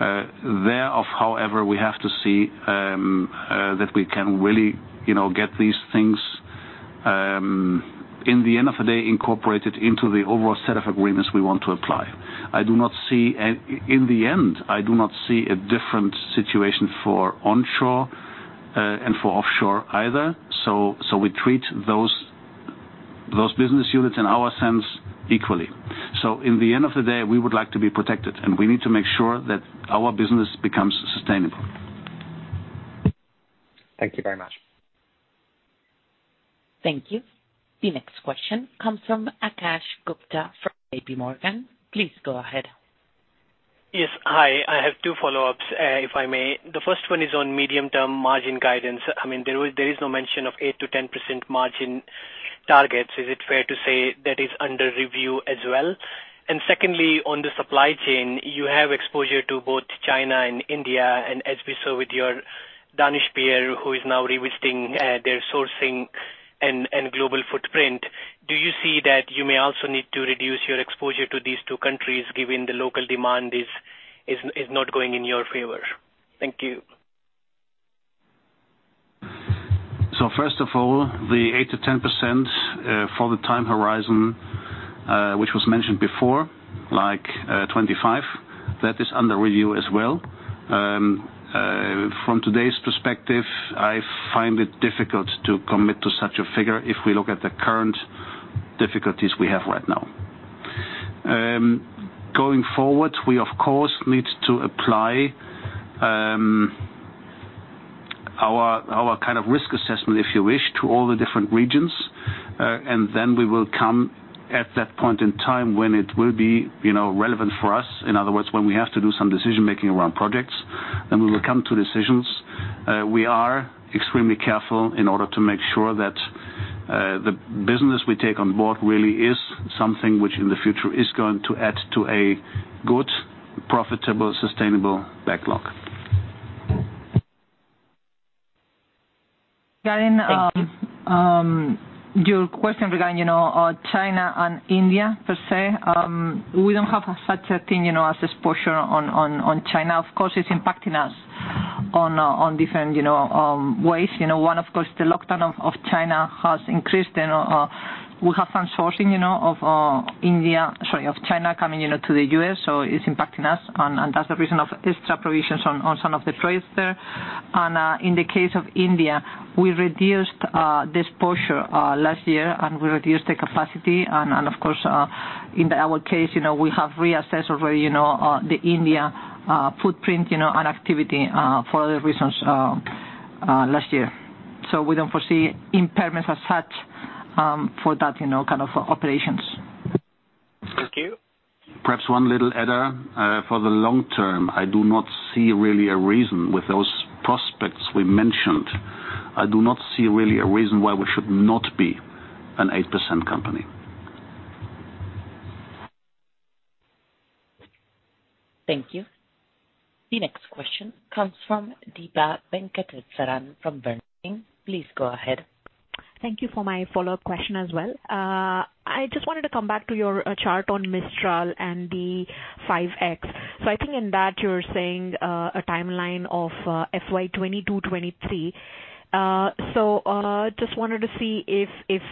We have to see that we can really, you know, get these things in the end of the day incorporated into the overall set of agreements we want to apply. In the end, I do not see a different situation for onshore and for offshore either. We treat those business units in our sense equally. In the end of the day, we would like to be protected, and we need to make sure that our business becomes sustainable. Thank you very much. Thank you. The next question comes from Akash Gupta from JPMorgan. Please go ahead. Yes. Hi. I have two follow-ups, if I may. The first one is on medium-term margin guidance. I mean, there was, there is no mention of 8%-10% margin targets. Is it fair to say that is under review as well? Secondly, on the supply chain, you have exposure to both China and India, and as we saw with your Danish peer who is now revisiting their sourcing and global footprint, do you see that you may also need to reduce your exposure to these two countries given the local demand is not going in your favor? Thank you. First of all, the 8%-10% for the time horizon, which was mentioned before, like, 25, that is under review as well. From today's perspective, I find it difficult to commit to such a figure if we look at the current difficulties we have right now. Going forward, we of course need to apply our kind of risk assessment, if you wish, to all the different regions, and then we will come at that point in time when it will be, you know, relevant for us. In other words, when we have to do some decision-making around projects, then we will come to decisions. We are extremely careful in order to make sure that the business we take on board really is something which in the future is going to add to a good, profitable, sustainable backlog. Thank you. Regarding your question regarding, you know, China and India per se, we don't have such a thing, you know, as exposure on China. Of course, it's impacting us on different, you know, ways. You know, one, of course, the lockdown of China has increased and we have done sourcing, you know, of China coming, you know, to the U.S., so it's impacting us and that's the reason of extra provisions on some of the trades there. In the case of India, we reduced this posture last year and we reduced the capacity and, of course, in our case, you know, we have reassessed already, you know, the India footprint, you know, and activity for other reasons last year. We don't foresee impairments as such, for that, you know, kind of operations. Thank you. Perhaps one little add on. For the long term, I do not see really a reason with those prospects we mentioned. I do not see really a reason why we should not be an 8% company. Thank you. The next question comes from Deepa Venkateswaran from Bernstein. Please go ahead. Thank you for my follow-up question as well. I just wanted to come back to your chart on Mistral and the 5.X. I think in that you're saying a timeline of FY 2022, 2023. Just wanted to see if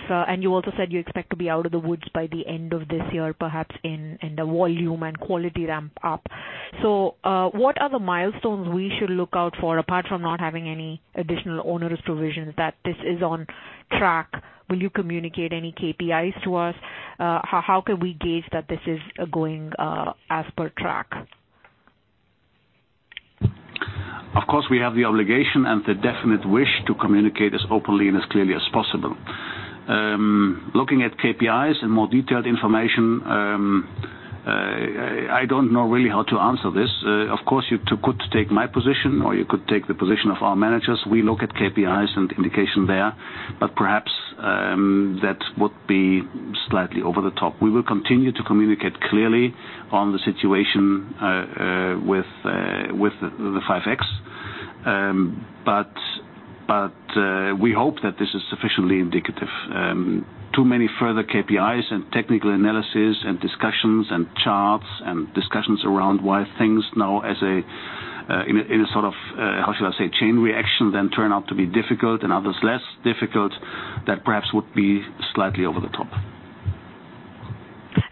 and you also said you expect to be out of the woods by the end of this year, perhaps in the volume and quality ramp up. What are the milestones we should look out for apart from not having any additional onerous provisions that this is on track? Will you communicate any KPIs to us? How could we gauge that this is going as per track? Of course, we have the obligation and the definite wish to communicate as openly and as clearly as possible. Looking at KPIs and more detailed information, I don't know really how to answer this. Of course, you too could take my position or you could take the position of our managers. We look at KPIs and indication there, but perhaps that would be slightly over the top. We will continue to communicate clearly on the situation with the 5.X. But we hope that this is sufficiently indicative. Too many further KPIs and technical analysis and discussions and charts and discussions around why things now as a, in a sort of, how should I say, chain reaction then turn out to be difficult and others less difficult that perhaps would be slightly over the top.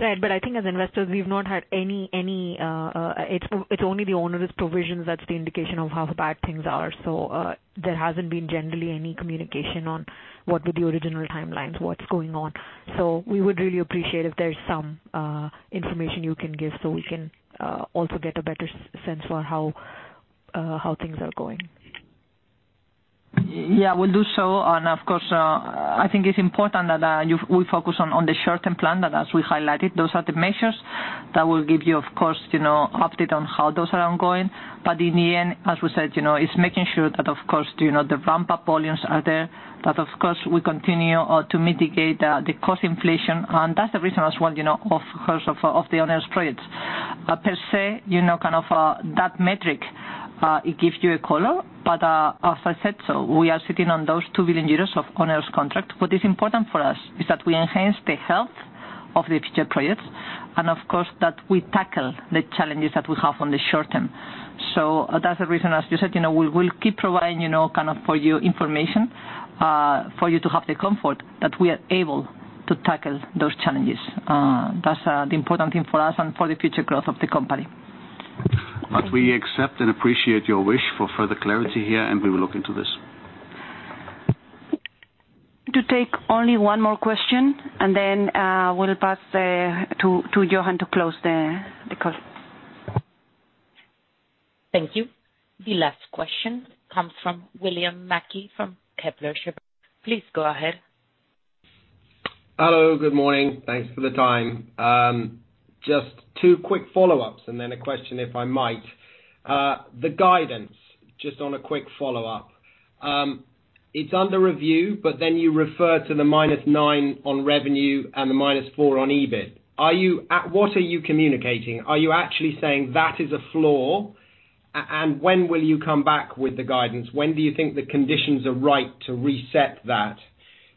Right. I think as investors, we've not had any. It's only the onerous provisions that's the indication of how bad things are. There hasn't been generally any communication on what were the original timelines, what's going on. We would really appreciate if there's some information you can give so we can also get a better sense for how things are going. Yeah, we'll do so. Of course, I think it's important that we focus on the short-term plan that as we highlighted, those are the measures that will give you, of course, you know, update on how those are ongoing. In the end, as we said, you know, it's making sure that of course, you know, the ramp-up volumes are there. That of course we continue to mitigate the cost inflation. That's the reason as well, you know, of the onerous projects. Per se, you know, kind of, that metric it gives you a color. As I said, we are sitting on those 2 billion euros of onerous contract. What is important for us is that we enhance the health of the future projects, and of course, that we tackle the challenges that we have on the short term. That's the reason, as you said, you know, we'll keep providing, you know, kind of for you information, for you to have the comfort that we are able to tackle those challenges. That's the important thing for us and for the future growth of the company. We accept and appreciate your wish for further clarity here, and we will look into this. To take only one more question and then we'll pass to Jochen Eickholt to close the call. Thank you. The last question comes from William Mackie from Kepler Cheuvreux. Please go ahead. Hello, good morning. Thanks for the time. Just two quick follow-ups and then a question, if I might. The guidance, just on a quick follow-up. It's under review, but then you refer to the -9% on revenue and the -4% on EBIT. At what point are you communicating? Are you actually saying that is a floor? And when will you come back with the guidance? When do you think the conditions are right to reset that?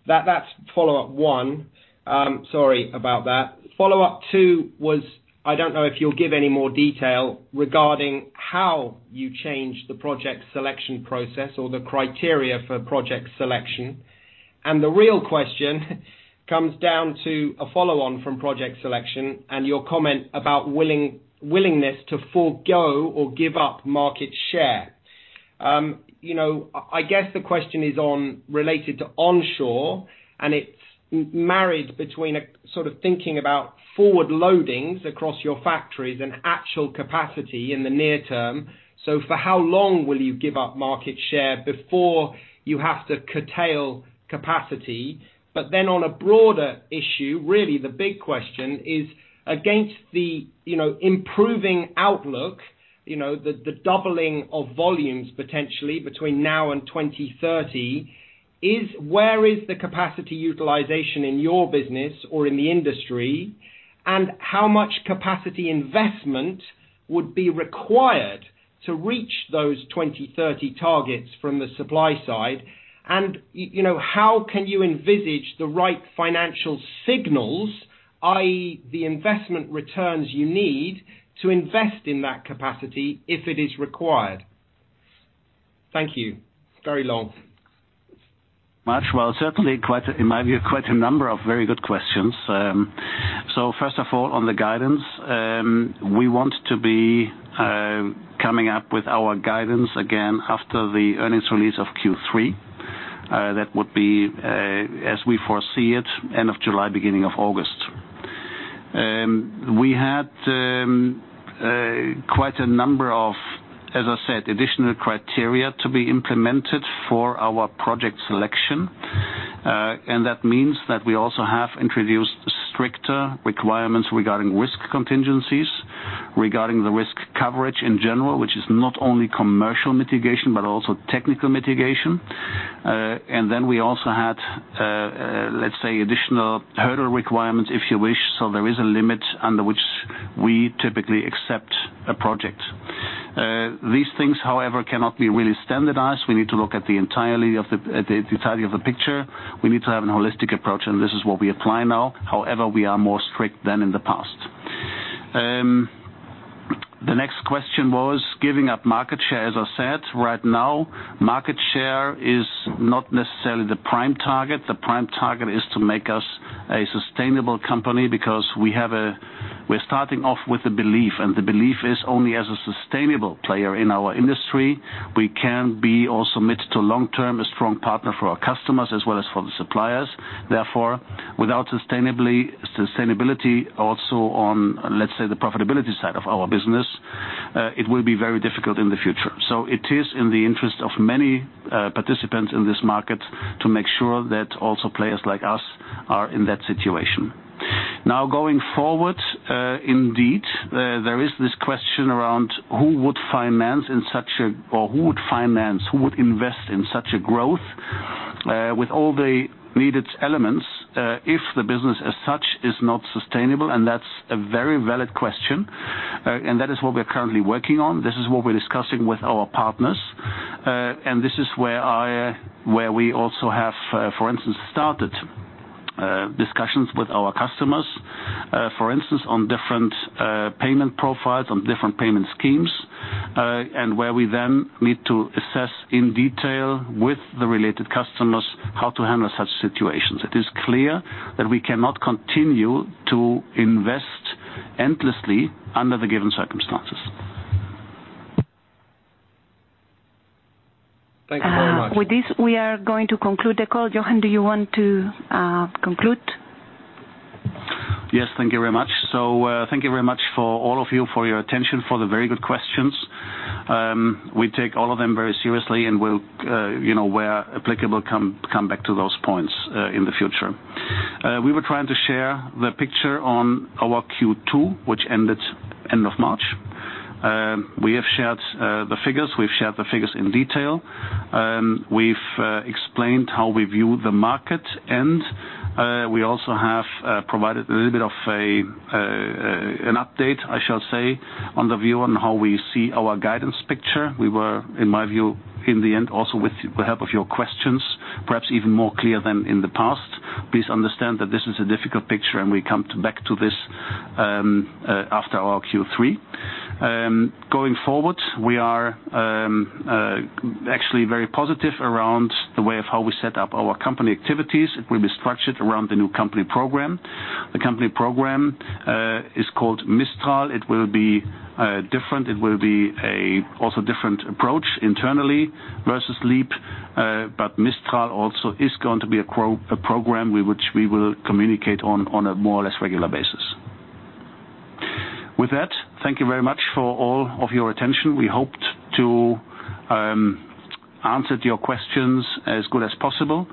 That's follow-up one. Sorry about that. Follow-up two was, I don't know if you'll give any more detail regarding how you changed the project selection process or the criteria for project selection. The real question comes down to a follow-on from project selection and your comment about willingness to forgo or give up market share. You know, I guess the question is on, related to onshore, and it's married between a sort of thinking about forward loadings across your factories and actual capacity in the near term. For how long will you give up market share before you have to curtail capacity? On a broader issue, really the big question is against the, you know, improving outlook. You know, the doubling of volumes potentially between now and 2030 is where is the capacity utilization in your business or in the industry? How much capacity investment would be required to reach those 2030 targets from the supply side? You know, how can you envisage the right financial signals, i.e. the investment returns you need to invest in that capacity if it is required? Thank you. Very long. Much. Well, certainly quite a, in my view, quite a number of very good questions. First of all, on the guidance, we want to be coming up with our guidance again after the earnings release of Q3. That would be, as we foresee it, end of July, beginning of August. We had quite a number of, as I said, additional criteria to be implemented for our project selection. That means that we also have introduced stricter requirements regarding risk contingencies, regarding the risk coverage in general, which is not only commercial mitigation, but also technical mitigation. We also had let's say, additional hurdle requirements, if you wish. There is a limit under which we typically accept a project. These things, however, cannot be really standardized. We need to look at the entirety of the picture. We need to have a holistic approach. This is what we apply now. However, we are more strict than in the past. The next question was giving up market share. As I said, right now, market share is not necessarily the prime target. The prime target is to make us a sustainable company because we're starting off with a belief, and the belief is only as a sustainable player in our industry we can be the long-term strong partner for our customers as well as for the suppliers. Therefore, without sustainability also on, let's say, the profitability side of our business, it will be very difficult in the future. It is in the interest of many participants in this market to make sure that also players like us are in that situation. Going forward, indeed, there is this question around who would finance or who would invest in such a growth with all the needed elements if the business as such is not sustainable, and that's a very valid question. That is what we're currently working on. This is what we're discussing with our partners. This is where we also have, for instance, started discussions with our customers, for instance, on different payment profiles, on different payment schemes, and where we then need to assess in detail with the related customers how to handle such situations. It is clear that we cannot continue to invest endlessly under the given circumstances. Thank you very much. With this we are going to conclude the call. Jochen, do you want to conclude? Yes, thank you very much. Thank you very much for all of you for your attention, for the very good questions. We take all of them very seriously and we'll, you know, where applicable, come back to those points, in the future. We were trying to share the picture on our Q2, which ended end of March. We have shared the figures, we've shared the figures in detail. We've explained how we view the market. We also have provided a little bit of an update, I shall say, on the view on how we see our guidance picture. We were, in my view, in the end, also with the help of your questions, perhaps even more clear than in the past. Please understand that this is a difficult picture and we come back to this after our Q3. Going forward, we are actually very positive around the way of how we set up our company activities. It will be structured around the new company program. The company program is called Mistral. It will be different. It will be a also different approach internally versus LEAP. Mistral also is going to be a program with which we will communicate on a more or less regular basis. With that, thank you very much for all of your attention. We hoped to answered your questions as good as possible,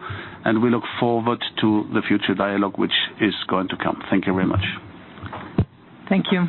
and we look forward to the future dialogue which is going to come. Thank you very much. Thank you.